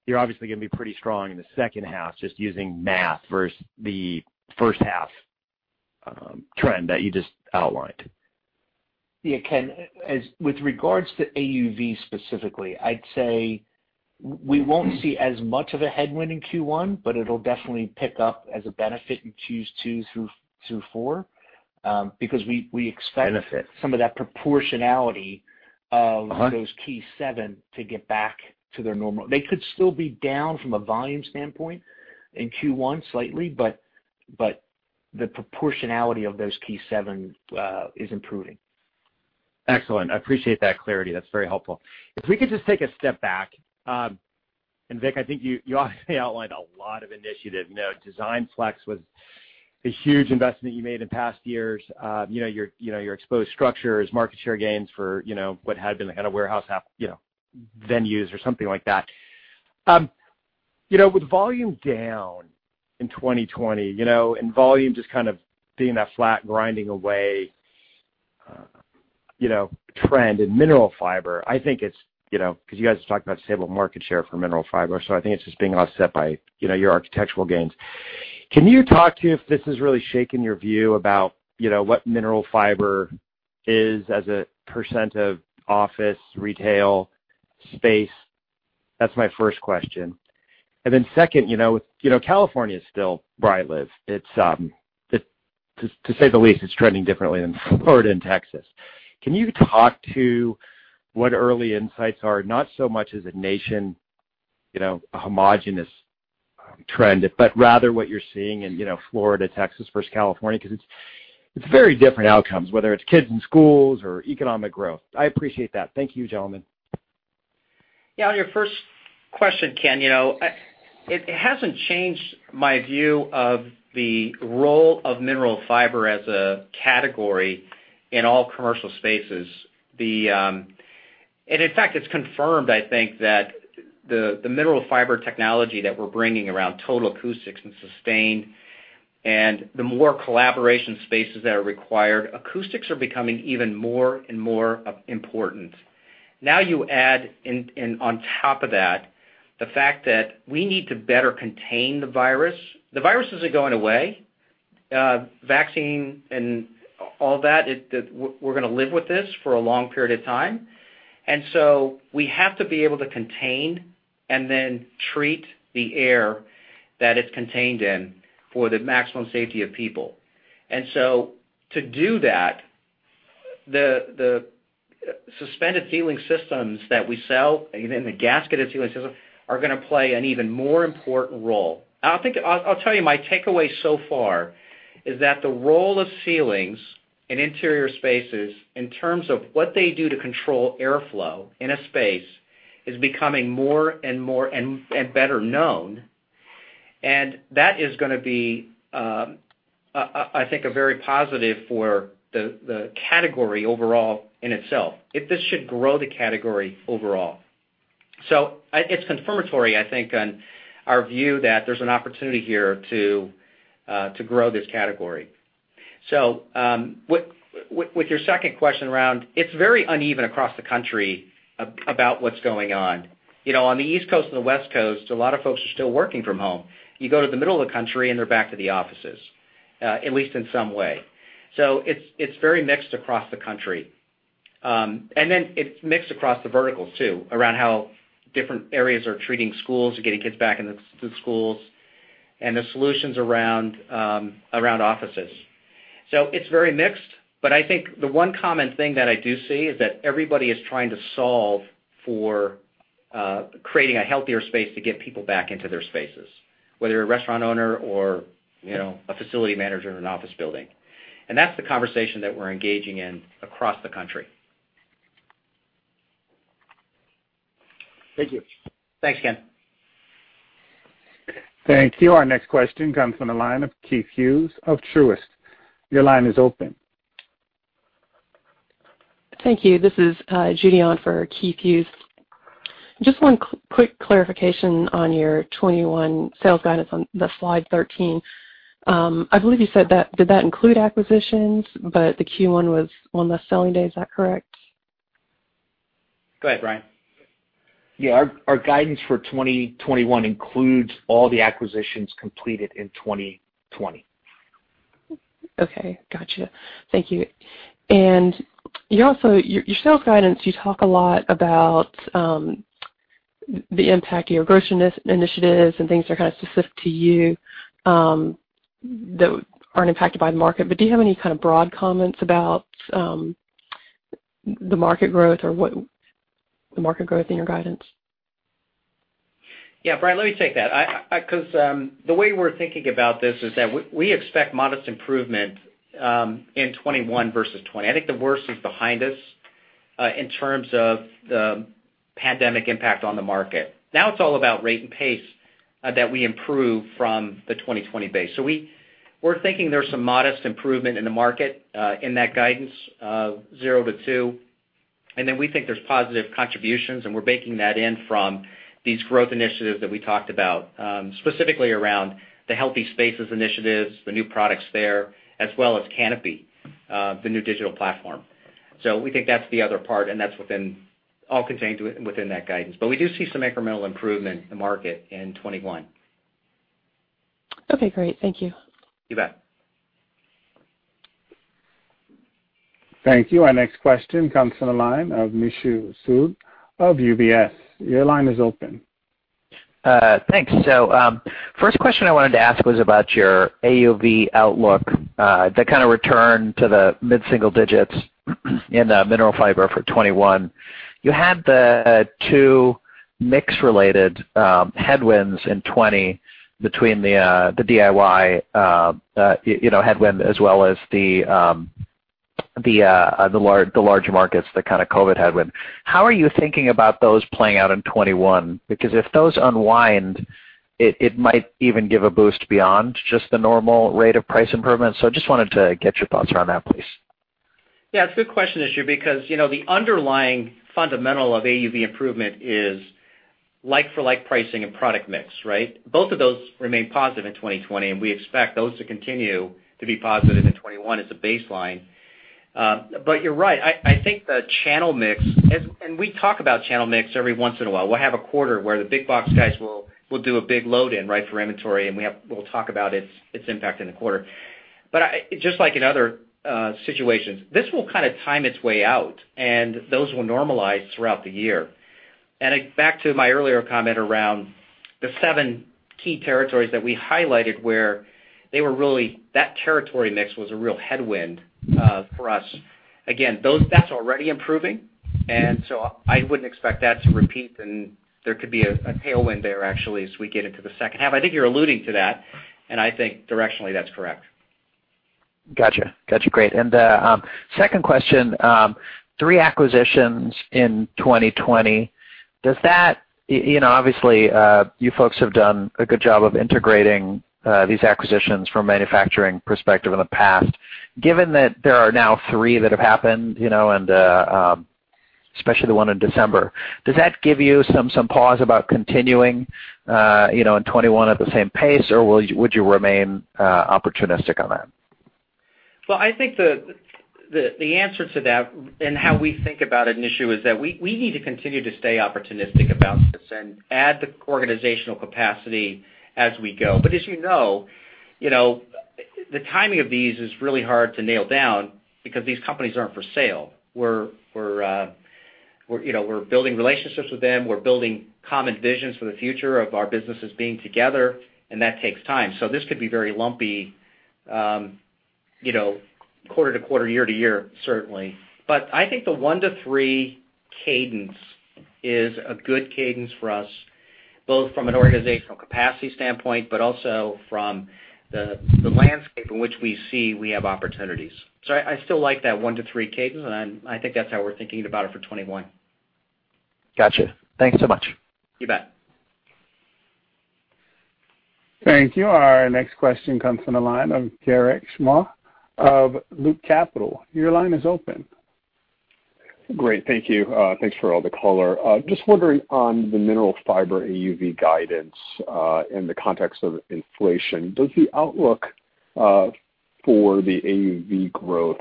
you're obviously going to be pretty strong in the second half just using math versus the first half trend that you just outlined? Yeah, Ken, with regards to AUV specifically, I'd say we won't see as much of a headwind in Q1, but it'll definitely pick up as a benefit in Q2 through Q4. Benefit. some of that proportionality of those key seven to get back to their normal. They could still be down from a volume standpoint in Q1 slightly, but the proportionality of those key seven is improving. Excellent. I appreciate that clarity. That's very helpful. If we could just take a step back, Vic, I think you outlined a lot of initiatives. DesignFlex was a huge investment you made in past years. Your exposed structures, market share gains for what had been the kind of warehouse venues or something like that. With volume down in 2020, volume just kind of being that flat grinding away trend in mineral fiber, because you guys talked about stable market share for mineral fiber, I think it's just being offset by your architectural gains. Can you talk to if this has really shaken your view about what mineral fiber is as a percent of office, retail space? That's my first question. Then second, California is still where I live. To say the least, it's trending differently than Florida and Texas. Can you talk to what early insights are, not so much as a nation, a homogenous trend, but rather what you're seeing in Florida, Texas versus California? Because it's very different outcomes, whether it's kids in schools or economic growth. I appreciate that. Thank you, gentlemen. Yeah. On your first question, Ken, it hasn't changed my view of the role of mineral fiber as a category in all commercial spaces. In fact, it's confirmed, I think, that the mineral fiber technology that we're bringing around Total Acoustics and Sustain, and the more collaboration spaces that are required, acoustics are becoming even more and more important. Now you add in on top of that, the fact that we need to better contain the virus. The virus isn't going away. Vaccine and all that, we're going to live with this for a long period of time. We have to be able to contain and then treat the air that it's contained in for the maximum safety of people. To do that, the suspended ceiling systems that we sell, even the gasketed ceiling systems, are going to play an even more important role. I'll tell you, my takeaway so far is that the role of ceilings in interior spaces, in terms of what they do to control airflow in a space, is becoming more and better known, that is going to be, I think, a very positive for the category overall in itself. This should grow the category overall. It's confirmatory, I think, on our view that there's an opportunity here to grow this category. With your second question around, it's very uneven across the country about what's going on. On the East Coast and the West Coast, a lot of folks are still working from home. You go to the middle of the country, they're back to the offices, at least in some way. It's very mixed across the country. It's mixed across the verticals, too, around how different areas are treating schools and getting kids back into the schools and the solutions around offices. It's very mixed, but I think the one common thing that I do see is that everybody is trying to solve for creating a healthier space to get people back into their spaces, whether you're a restaurant owner or a facility manager in an office building. That's the conversation that we're engaging in across the country. Thank you. Thanks, Ken. Thank you. Our next question comes from the line of Keith Hughes of Truist. Your line is open. Thank you. This is Judy Ahn for Keith Hughes. Just one quick clarification on your 2021 sales guidance on the Slide 13. I believe you said that, did that include acquisitions? The Q1 was one less selling day, is that correct? Go ahead, Brian. Yeah. Our guidance for 2021 includes all the acquisitions completed in 2020. Okay. Gotcha. Thank you. Your sales guidance, you talk a lot about the impact of your growth initiatives and things that are kind of specific to you, that aren't impacted by the market. Do you have any kind of broad comments about the market growth in your guidance? Yeah, Brian, let me take that. The way we're thinking about this is that we expect modest improvement in 2021 versus 2020. I think the worst is behind us, in terms of the pandemic impact on the market. It's all about rate and pace that we improve from the 2020 base. We're thinking there's some modest improvement in the market, in that guidance of zero to two. We think there's positive contributions, and we're baking that in from these growth initiatives that we talked about, specifically around the healthy spaces initiatives, the new products there, as well as kanopi, the new digital platform. We think that's the other part, and that's all contained within that guidance. We do see some incremental improvement in the market in 2021. Okay, great. Thank you. You bet. Thank you. Our next question comes from the line of Nishu Sood of UBS. Your line is open. Thanks. First question I wanted to ask was about your AUV outlook, the kind of return to the mid-single digits in the Mineral Fiber for 2021. You had the two mix-related headwinds in 2020 between the DIY headwind as well as the larger markets, the kind of COVID-19 headwind. How are you thinking about those playing out in 2021? If those unwind, it might even give a boost beyond just the normal rate of price improvements. I just wanted to get your thoughts around that, please. Yeah, it's a good question, Nishu, because the underlying fundamental of AUV improvement is like-for-like pricing and product mix, right? Both of those remain positive in 2020, and we expect those to continue to be positive in 2021 as a baseline. You're right. I think the channel mix, and we talk about channel mix every once in a while. We'll have a quarter where the big box guys will do a big load-in for inventory, and we'll talk about its impact in the quarter. Just like in other situations, this will kind of time its way out, and those will normalize throughout the year. Back to my earlier comment around the seven key territories that we highlighted where that territory mix was a real headwind for us. Again, that's already improving, and so I wouldn't expect that to repeat, and there could be a tailwind there actually, as we get into the second half. I think you're alluding to that, and I think directionally that's correct. Gotcha. Great. Second question, three acquisitions in 2020. Obviously, you folks have done a good job of integrating these acquisitions from a manufacturing perspective in the past. Given that there are now three that have happened, and especially the one in December, does that give you some pause about continuing in 2021 at the same pace, or would you remain opportunistic on that? Well, I think the answer to that and how we think about it, Nishu, is that we need to continue to stay opportunistic about this and add the organizational capacity as we go. As you know, the timing of these is really hard to nail down because these companies aren't for sale. We're building relationships with them. We're building common visions for the future of our businesses being together, and that takes time. This could be very lumpy quarter-to-quarter, year-to-year, certainly. I think the one to three cadence is a good cadence for us, both from an organizational capacity standpoint, but also from the landscape in which we see we have opportunities. I still like that one to three cadence, and I think that's how we're thinking about it for 2021. Gotcha. Thank you so much. You bet. Thank you. Our next question comes from the line of Garik Shmois of Loop Capital. Your line is open. Great. Thank you. Thanks for all the color. Just wondering on the Mineral Fiber AUV guidance, in the context of inflation, does the outlook for the AUV growth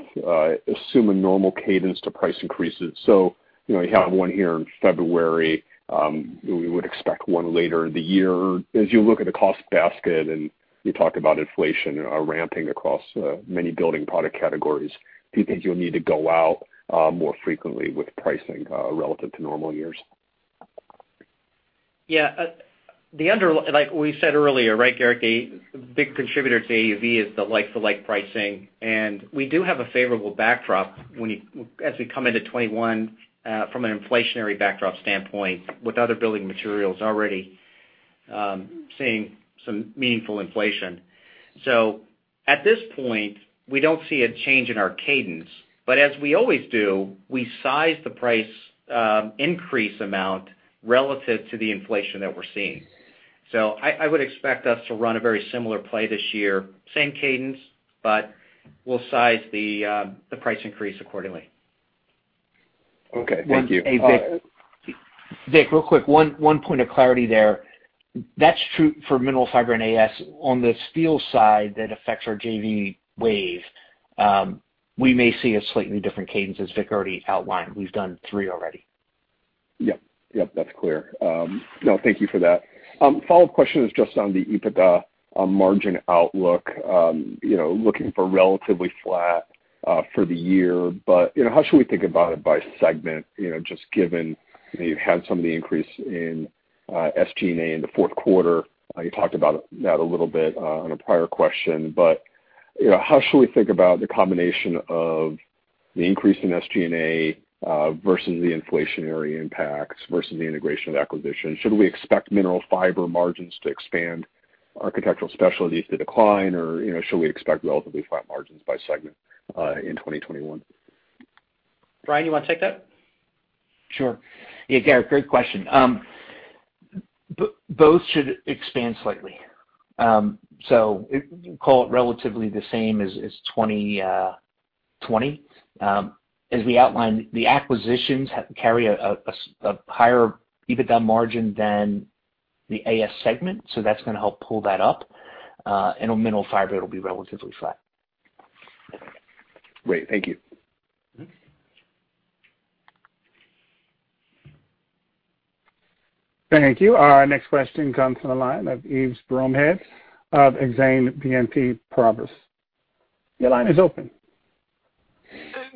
assume a normal cadence to price increases? You have one here in February. We would expect one later in the year. As you look at a cost basket and you talk about inflation ramping across many building product categories, do you think you'll need to go out more frequently with pricing relative to normal years? Yeah. Like we said earlier, right, Garik, a big contributor to AUV is the like-for-like pricing, and we do have a favorable backdrop as we come into 2021 from an inflationary backdrop standpoint with other building materials already seeing some meaningful inflation. At this point, we don't see a change in our cadence, but as we always do, we size the price increase amount relative to the inflation that we're seeing. I would expect us to run a very similar play this year, same cadence, but we'll size the price increase accordingly. Okay. Thank you. Vic, real quick, one point of clarity there. That's true for Mineral Fiber and AS. On the steel side, that affects our JV WAVE. We may see a slightly different cadence, as Vic already outlined. We've done three already. Yep. That's clear. Thank you for that. Follow-up question is just on the EBITDA margin outlook. Looking for relatively flat for the year, how should we think about it by segment? Just given you had some of the increase in SG&A in the fourth quarter. You talked about that a little bit on a prior question, how should we think about the combination of the increase in SG&A versus the inflationary impacts versus the integration of acquisitions? Should we expect Mineral Fiber margins to expand, Architectural Specialties to decline, or should we expect relatively flat margins by segment in 2021? Brian, you want to take that? Sure. Yeah, Garik, great question. Both should expand slightly. Call it relatively the same as 2020. As we outlined, the acquisitions carry a higher EBITDA margin than the AS segment, so that's going to help pull that up. On Mineral Fiber, it'll be relatively flat. Great. Thank you. Thank you. Our next question comes from the line of Yves Bromehead of Exane BNP Paribas. Your line is open.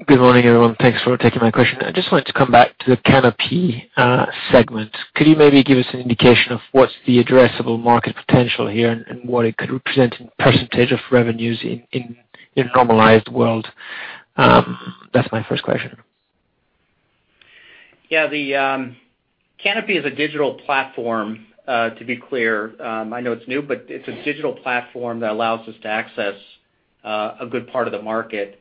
Good morning, everyone. Thanks for taking my question. I just wanted to come back to the kanopi segment. Could you maybe give us an indication of what's the addressable market potential here, and what it could represent in percentage of revenues in a normalized world? That's my first question. Yeah. kanopi is a digital platform, to be clear. I know it's new, but it's a digital platform that allows us to access a good part of the market.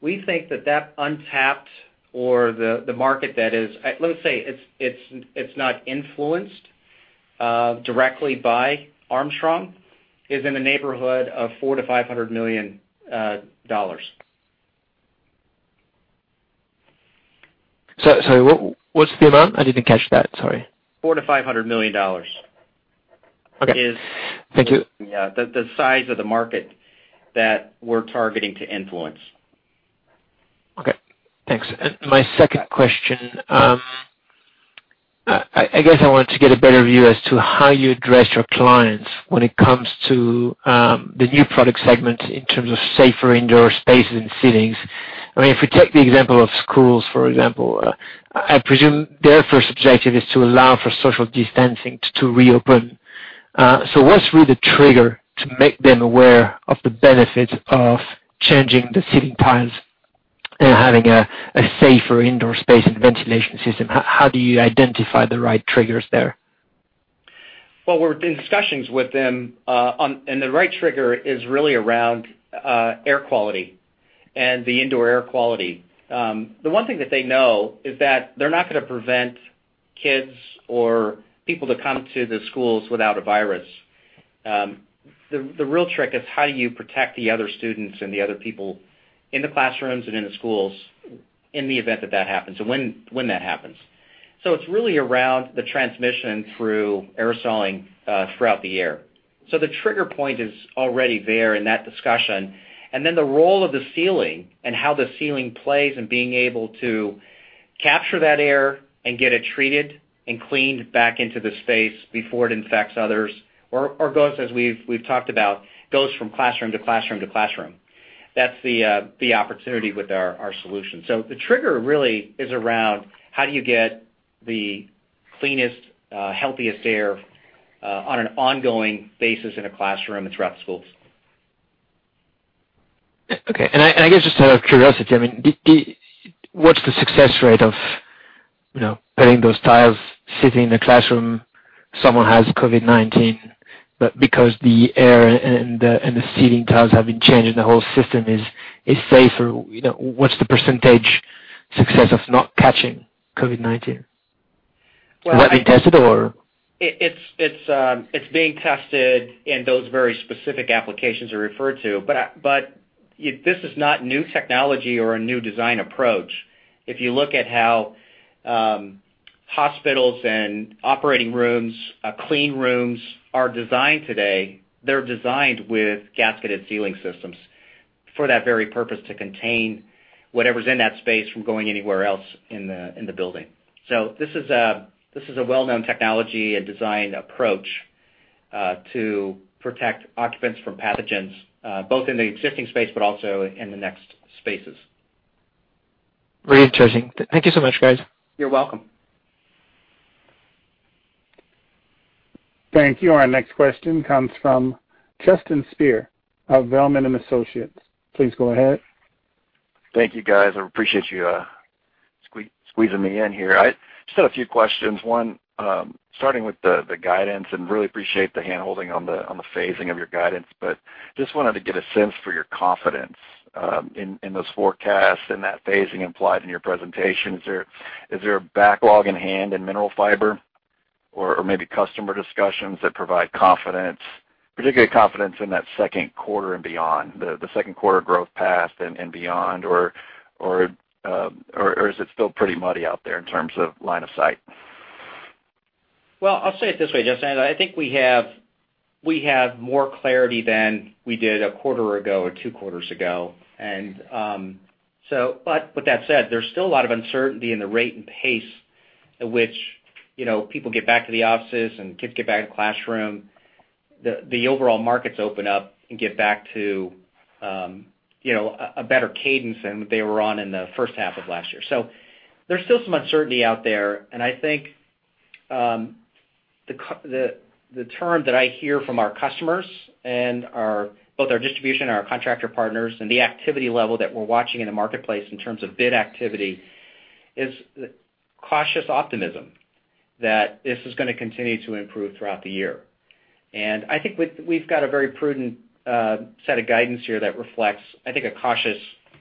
We think that that untapped or the market that is, let's say, it's not influenced directly by Armstrong, is in the neighborhood of $400 million-$500 million. Sorry, what's the amount? I didn't catch that, sorry. $400 million-$500 million- Okay. Thank you is the size of the market that we're targeting to influence. Okay, thanks. My second question, I guess I wanted to get a better view as to how you address your clients when it comes to the new product segment in terms of safer indoor spaces and ceilings. If we take the example of schools, for example, I presume their first objective is to allow for social distancing to reopen. What's really the trigger to make them aware of the benefits of changing the ceiling tiles and having a safer indoor space and ventilation system? How do you identify the right triggers there? Well, we're in discussions with them, and the right trigger is really around air quality and the indoor air quality. The one thing that they know is that they're not going to prevent kids or people to come to the schools without a virus. The real trick is how you protect the other students and the other people in the classrooms and in the schools in the event that that happens and when that happens. It's really around the transmission through aerosoling throughout the air. The trigger point is already there in that discussion. The role of the ceiling and how the ceiling plays in being able to capture that air and get it treated and cleaned back into the space before it infects others, or goes, as we've talked about, goes from classroom to classroom to classroom. That's the opportunity with our solution. The trigger really is around how do you get the cleanest, healthiest air on an ongoing basis in a classroom and throughout schools. Okay. I guess just out of curiosity, what's the success rate of putting those tiles, sitting in a classroom, someone has COVID-19, but because the air and the ceiling tiles have been changed and the whole system is safer, what's the percentage success of not catching COVID-19? Well. Has that been tested, or? It's being tested in those very specific applications I referred to, this is not new technology or a new design approach. If you look at how hospitals and operating rooms, clean rooms are designed today, they're designed with gasketed ceiling systems for that very purpose, to contain whatever's in that space from going anywhere else in the building. This is a well-known technology and design approach to protect occupants from pathogens, both in the existing space but also in the next spaces. Very interesting. Thank you so much, guys. You're welcome. Thank you. Our next question comes from Justin Speer of Zelman & Associates. Please go ahead. Thank you, guys. I appreciate you squeezing me in here. I just had a few questions. One, starting with the guidance, really appreciate the handholding on the phasing of your guidance, but just wanted to get a sense for your confidence in those forecasts and that phasing implied in your presentation. Is there a backlog in hand in Mineral Fiber? Maybe customer discussions that provide confidence, particularly confidence in that second quarter and beyond, the second quarter growth path and beyond, or is it still pretty muddy out there in terms of line of sight? I'll say it this way, Justin. I think we have more clarity than we did a quarter ago or two quarters ago. That said, there's still a lot of uncertainty in the rate and pace at which people get back to the offices and kids get back in the classroom, the overall markets open up and get back to a better cadence than they were on in the first half of last year. There's still some uncertainty out there, and I think the term that I hear from our customers and both our distribution and our contractor partners and the activity level that we're watching in the marketplace in terms of bid activity, is cautious optimism that this is going to continue to improve throughout the year. I think we've got a very prudent set of guidance here that reflects, I think, a cautious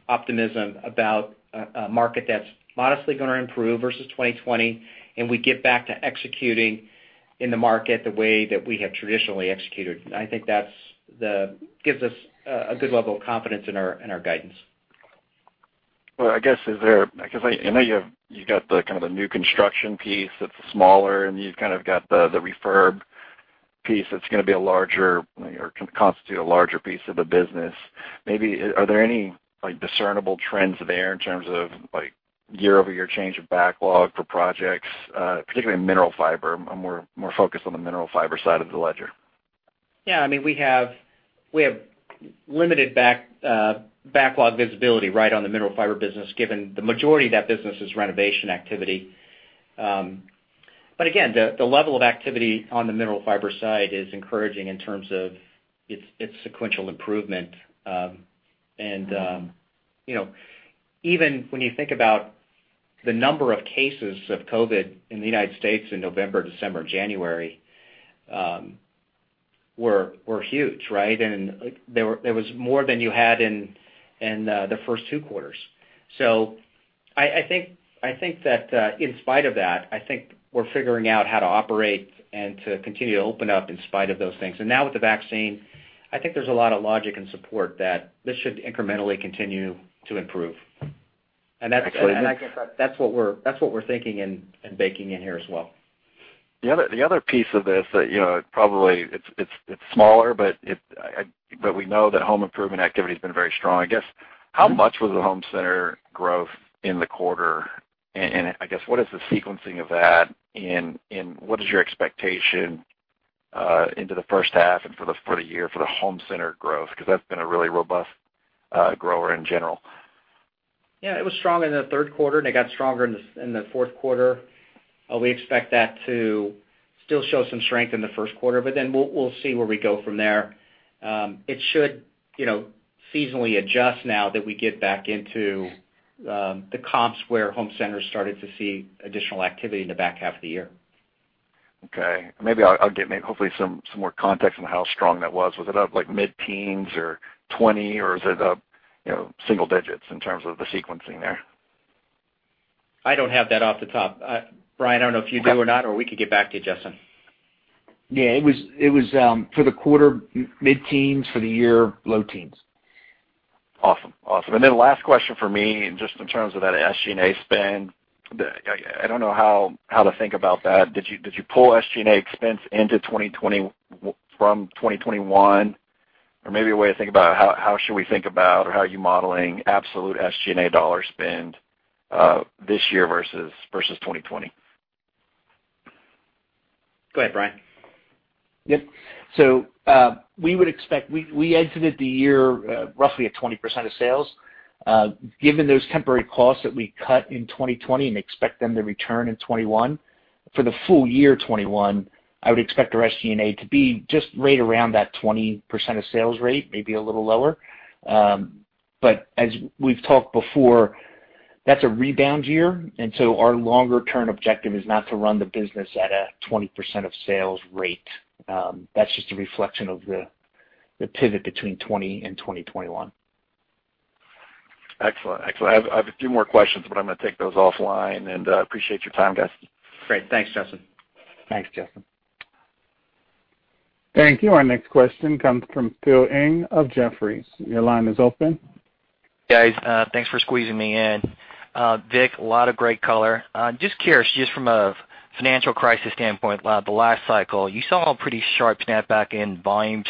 optimism about a market that's modestly going to improve versus 2020, and we get back to executing in the market the way that we have traditionally executed. I think that gives us a good level of confidence in our guidance. Well, I guess, I know you've got the kind of the new construction piece that's smaller, and you've kind of got the refurb piece that's going to be a larger or can constitute a larger piece of the business. Are there any discernible trends there in terms of year-over-year change of backlog for projects, particularly in Mineral Fiber? I'm more focused on the Mineral Fiber side of the ledger. Yeah. We have limited backlog visibility right on the Mineral Fiber business, given the majority of that business is renovation activity. Again, the level of activity on the Mineral Fiber side is encouraging in terms of its sequential improvement. Even when you think about the number of cases of COVID in the United States in November, December, January, were huge, right? There was more than you had in the first two quarters. I think that in spite of that, I think we're figuring out how to operate and to continue to open up in spite of those things. Now with the vaccine, I think there's a lot of logic and support that this should incrementally continue to improve. Again, that's what we're thinking and baking in here as well. The other piece of this that probably it's smaller, but we know that home improvement activity's been very strong. I guess, how much was the home center growth in the quarter? I guess, what is the sequencing of that, and what is your expectation into the first half and for the year for the home center growth? That's been a really robust grower in general. Yeah. It was strong in the third quarter, and it got stronger in the fourth quarter. We expect that to still show some strength in the first quarter, but then we'll see where we go from there. It should seasonally adjust now that we get back into the comps where home centers started to see additional activity in the back half of the year. Okay. Maybe I'll get hopefully some more context on how strong that was. Was it up like mid-teens or 20%, or is it up single digits in terms of the sequencing there? I don't have that off the top. Brian, I don't know if you do or not, or we could get back to you, Justin. Yeah. It was for the quarter, mid-teens. For the year, low teens. Awesome. Last question from me, just in terms of that SG&A spend. I don't know how to think about that. Did you pull SG&A expense into 2020 from 2021? Maybe a way to think about how should we think about or how are you modeling absolute SG&A dollar spend this year versus 2020? Go ahead, Brian. Yep. We exited the year roughly at 20% of sales. Given those temporary costs that we cut in 2020 and expect them to return in 2021, for the full year 2021, I would expect our SG&A to be just right around that 20% of sales rate, maybe a little lower. As we've talked before, that's a rebound year, our longer-term objective is not to run the business at a 20% of sales rate. That's just a reflection of the pivot between 2020 and 2021. Excellent. I have a few more questions, but I'm going to take those offline, and appreciate your time, guys. Great. Thanks, Justin. Thanks, Justin. Thank you. Our next question comes from Philip Ng of Jefferies. Your line is open. Guys, thanks for squeezing me in. Vic, a lot of great color. Just curious, just from a financial crisis standpoint, the last cycle, you saw a pretty sharp snapback in volumes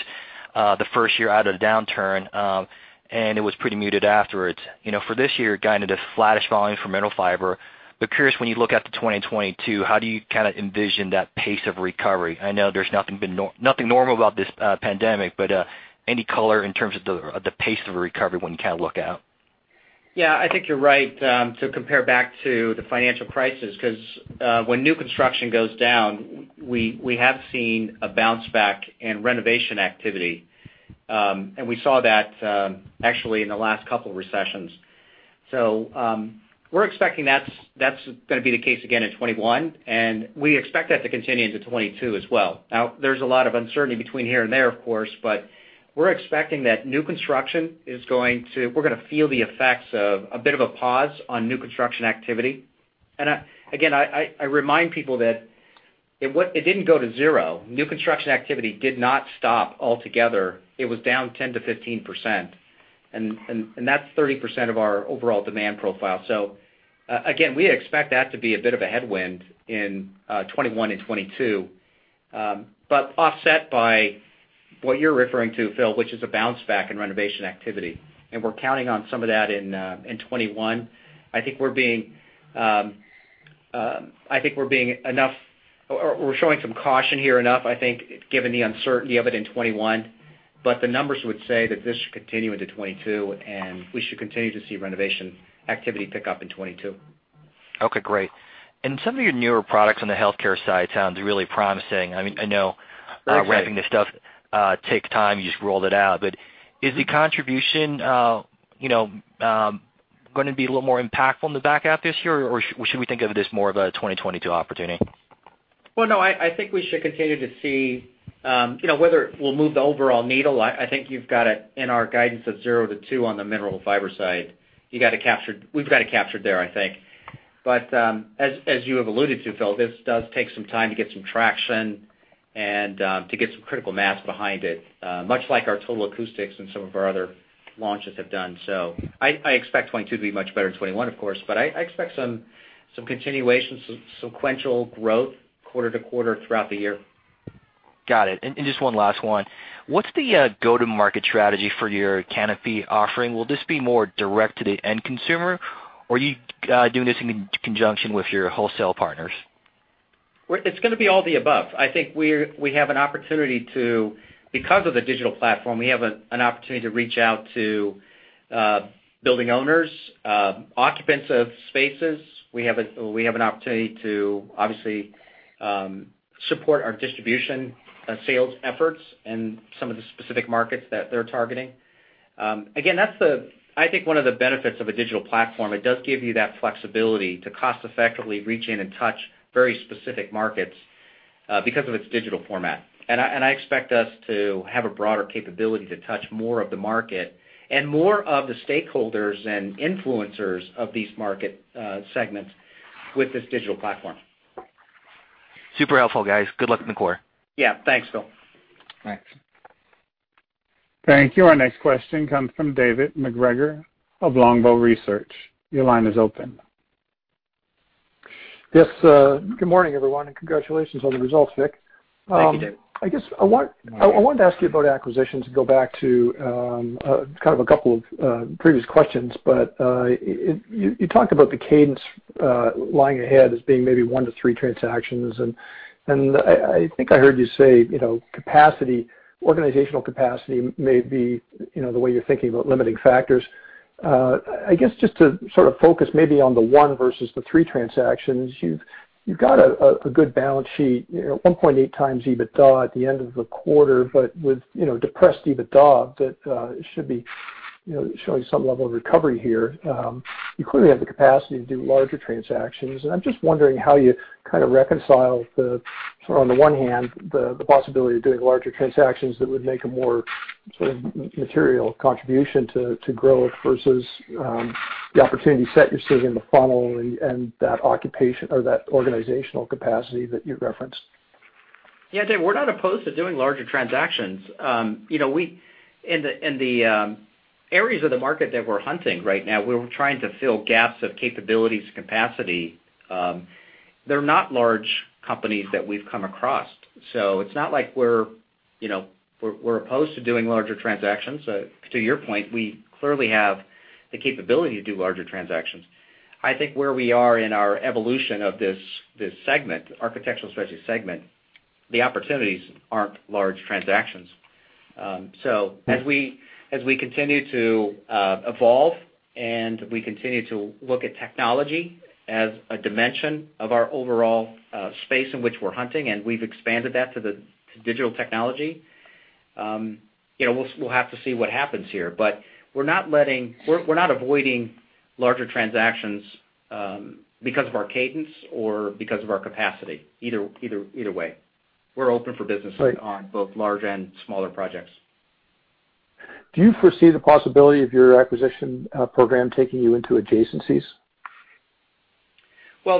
the first year out of the downturn, and it was pretty muted afterwards. For this year, guided at flattish volumes for Mineral Fiber, but curious when you look out to 2022, how do you kind of envision that pace of recovery? I know there's nothing normal about this pandemic, but any color in terms of the pace of recovery when you kind of look out? Yeah. I think you're right to compare back to the financial crisis, because when new construction goes down, we have seen a bounce back in renovation activity. We saw that actually in the last couple recessions. We're expecting that is going to be the case again in 2021, and we expect that to continue into 2022 as well. There's a lot of uncertainty between here and there, of course, but we're expecting that we're going to feel the effects of a bit of a pause on new construction activity. Again, I remind people that it didn't go to zero. New construction activity did not stop altogether. It was down 10%-15%, and that's 30% of our overall demand profile. Again, we expect that to be a bit of a headwind in 2021 and 2022. Offset by what you're referring to, Phil, which is a bounce back in renovation activity, and we're counting on some of that in 2021. I think we're showing some caution here enough, I think, given the uncertainty of it in 2021, but the numbers would say that this should continue into 2022, and we should continue to see renovation activity pick up in 2022. Okay, great. Some of your newer products on the healthcare side sounds really promising. I know ramping this stuff takes time. You just rolled it out. Is the contribution going to be a little more impactful in the back half this year, or should we think of it as more of a 2022 opportunity? No, I think we should continue to see whether it will move the overall needle. I think you've got it in our guidance of zero to two on the Mineral Fiber side. We've got it captured there, I think. As you have alluded to, Phil, this does take some time to get some traction and to get some critical mass behind it, much like our Total Acoustics and some of our other launches have done. I expect 2022 to be much better than 2021, of course, but I expect some continuation, some sequential growth quarter to quarter throughout the year. Got it. Just one last one. What's the go-to-market strategy for your kanopi offering? Will this be more direct to the end consumer, or are you doing this in conjunction with your wholesale partners? It's going to be all the above. I think, because of the digital platform, we have an opportunity to reach out to building owners, occupants of spaces. We have an opportunity to obviously support our distribution sales efforts in some of the specific markets that they're targeting. Again, that's, I think, one of the benefits of a digital platform. It does give you that flexibility to cost effectively reach in and touch very specific markets because of its digital format. I expect us to have a broader capability to touch more of the market and more of the stakeholders and influencers of these market segments with this digital platform. Super helpful, guys. Good luck in the quarter. Yeah. Thanks, Phil. Thanks. Thank you. Our next question comes from David MacGregor of Longbow Research. Your line is open. Yes, good morning, everyone, and congratulations on the results, Vic. Thank you, David. I guess I wanted to ask you about acquisitions and go back to kind of a couple of previous questions, but you talked about the cadence lying ahead as being maybe one to three transactions, and I think I heard you say organizational capacity may be the way you're thinking about limiting factors. I guess, just to sort of focus maybe on the one versus the three transactions, you've got a good balance sheet, 1.8x EBITDA at the end of the quarter, but with depressed EBITDA, that it should be showing some level of recovery here. You clearly have the capacity to do larger transactions, and I'm just wondering how you kind of reconcile the sort of on the one hand, the possibility of doing larger transactions that would make a more sort of material contribution to growth versus the opportunity set you're seeing in the funnel and that occupation or that organizational capacity that you referenced. Yeah, Dave, we're not opposed to doing larger transactions. In the areas of the market that we're hunting right now, we're trying to fill gaps of capabilities capacity. They're not large companies that we've come across, it's not like we're opposed to doing larger transactions. To your point, we clearly have the capability to do larger transactions. I think where we are in our evolution of this segment, Architectural Specialties segment, the opportunities aren't large transactions. As we continue to evolve and we continue to look at technology as a dimension of our overall space in which we're hunting, and we've expanded that to the digital technology, we'll have to see what happens here. We're not avoiding larger transactions because of our cadence or because of our capacity, either way. We're open for business on both large and smaller projects. Do you foresee the possibility of your acquisition program taking you into adjacencies? Well,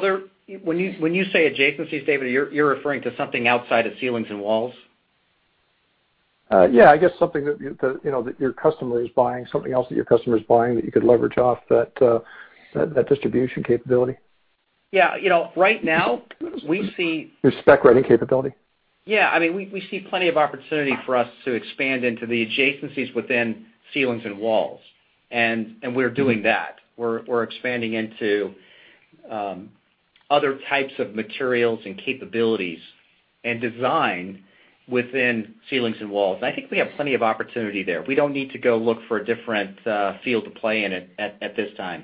when you say adjacencies, David, are you referring to something outside of ceilings and walls? Yeah. I guess something that your customer is buying, something else that your customer is buying that you could leverage off that distribution capability. Yeah. Right now, we see- Your spec writing capability. Yeah. We see plenty of opportunity for us to expand into the adjacencies within ceilings and walls. We're doing that. We're expanding into other types of materials and capabilities and design within ceilings and walls. I think we have plenty of opportunity there. We don't need to go look for a different field to play in at this time.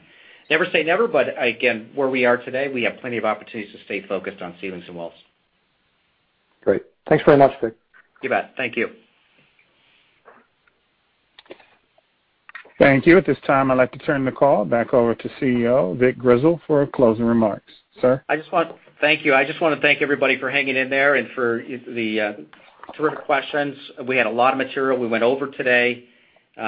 Never say never, again, where we are today, we have plenty of opportunities to stay focused on ceilings and walls. Great. Thanks very much, Vic. You bet. Thank you. Thank you. At this time, I'd like to turn the call back over to CEO, Vic Grizzle, for closing remarks. Sir? Thank you. I just want to thank everybody for hanging in there and for the terrific questions. We had a lot of material we went over today. We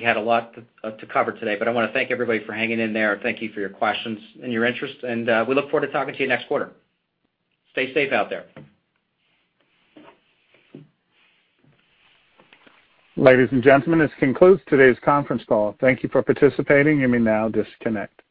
had a lot to cover today, but I want to thank everybody for hanging in there. Thank you for your questions and your interest, and we look forward to talking to you next quarter. Stay safe out there. Ladies and gentlemen, this concludes today's conference call. Thank you for participating. You may now disconnect.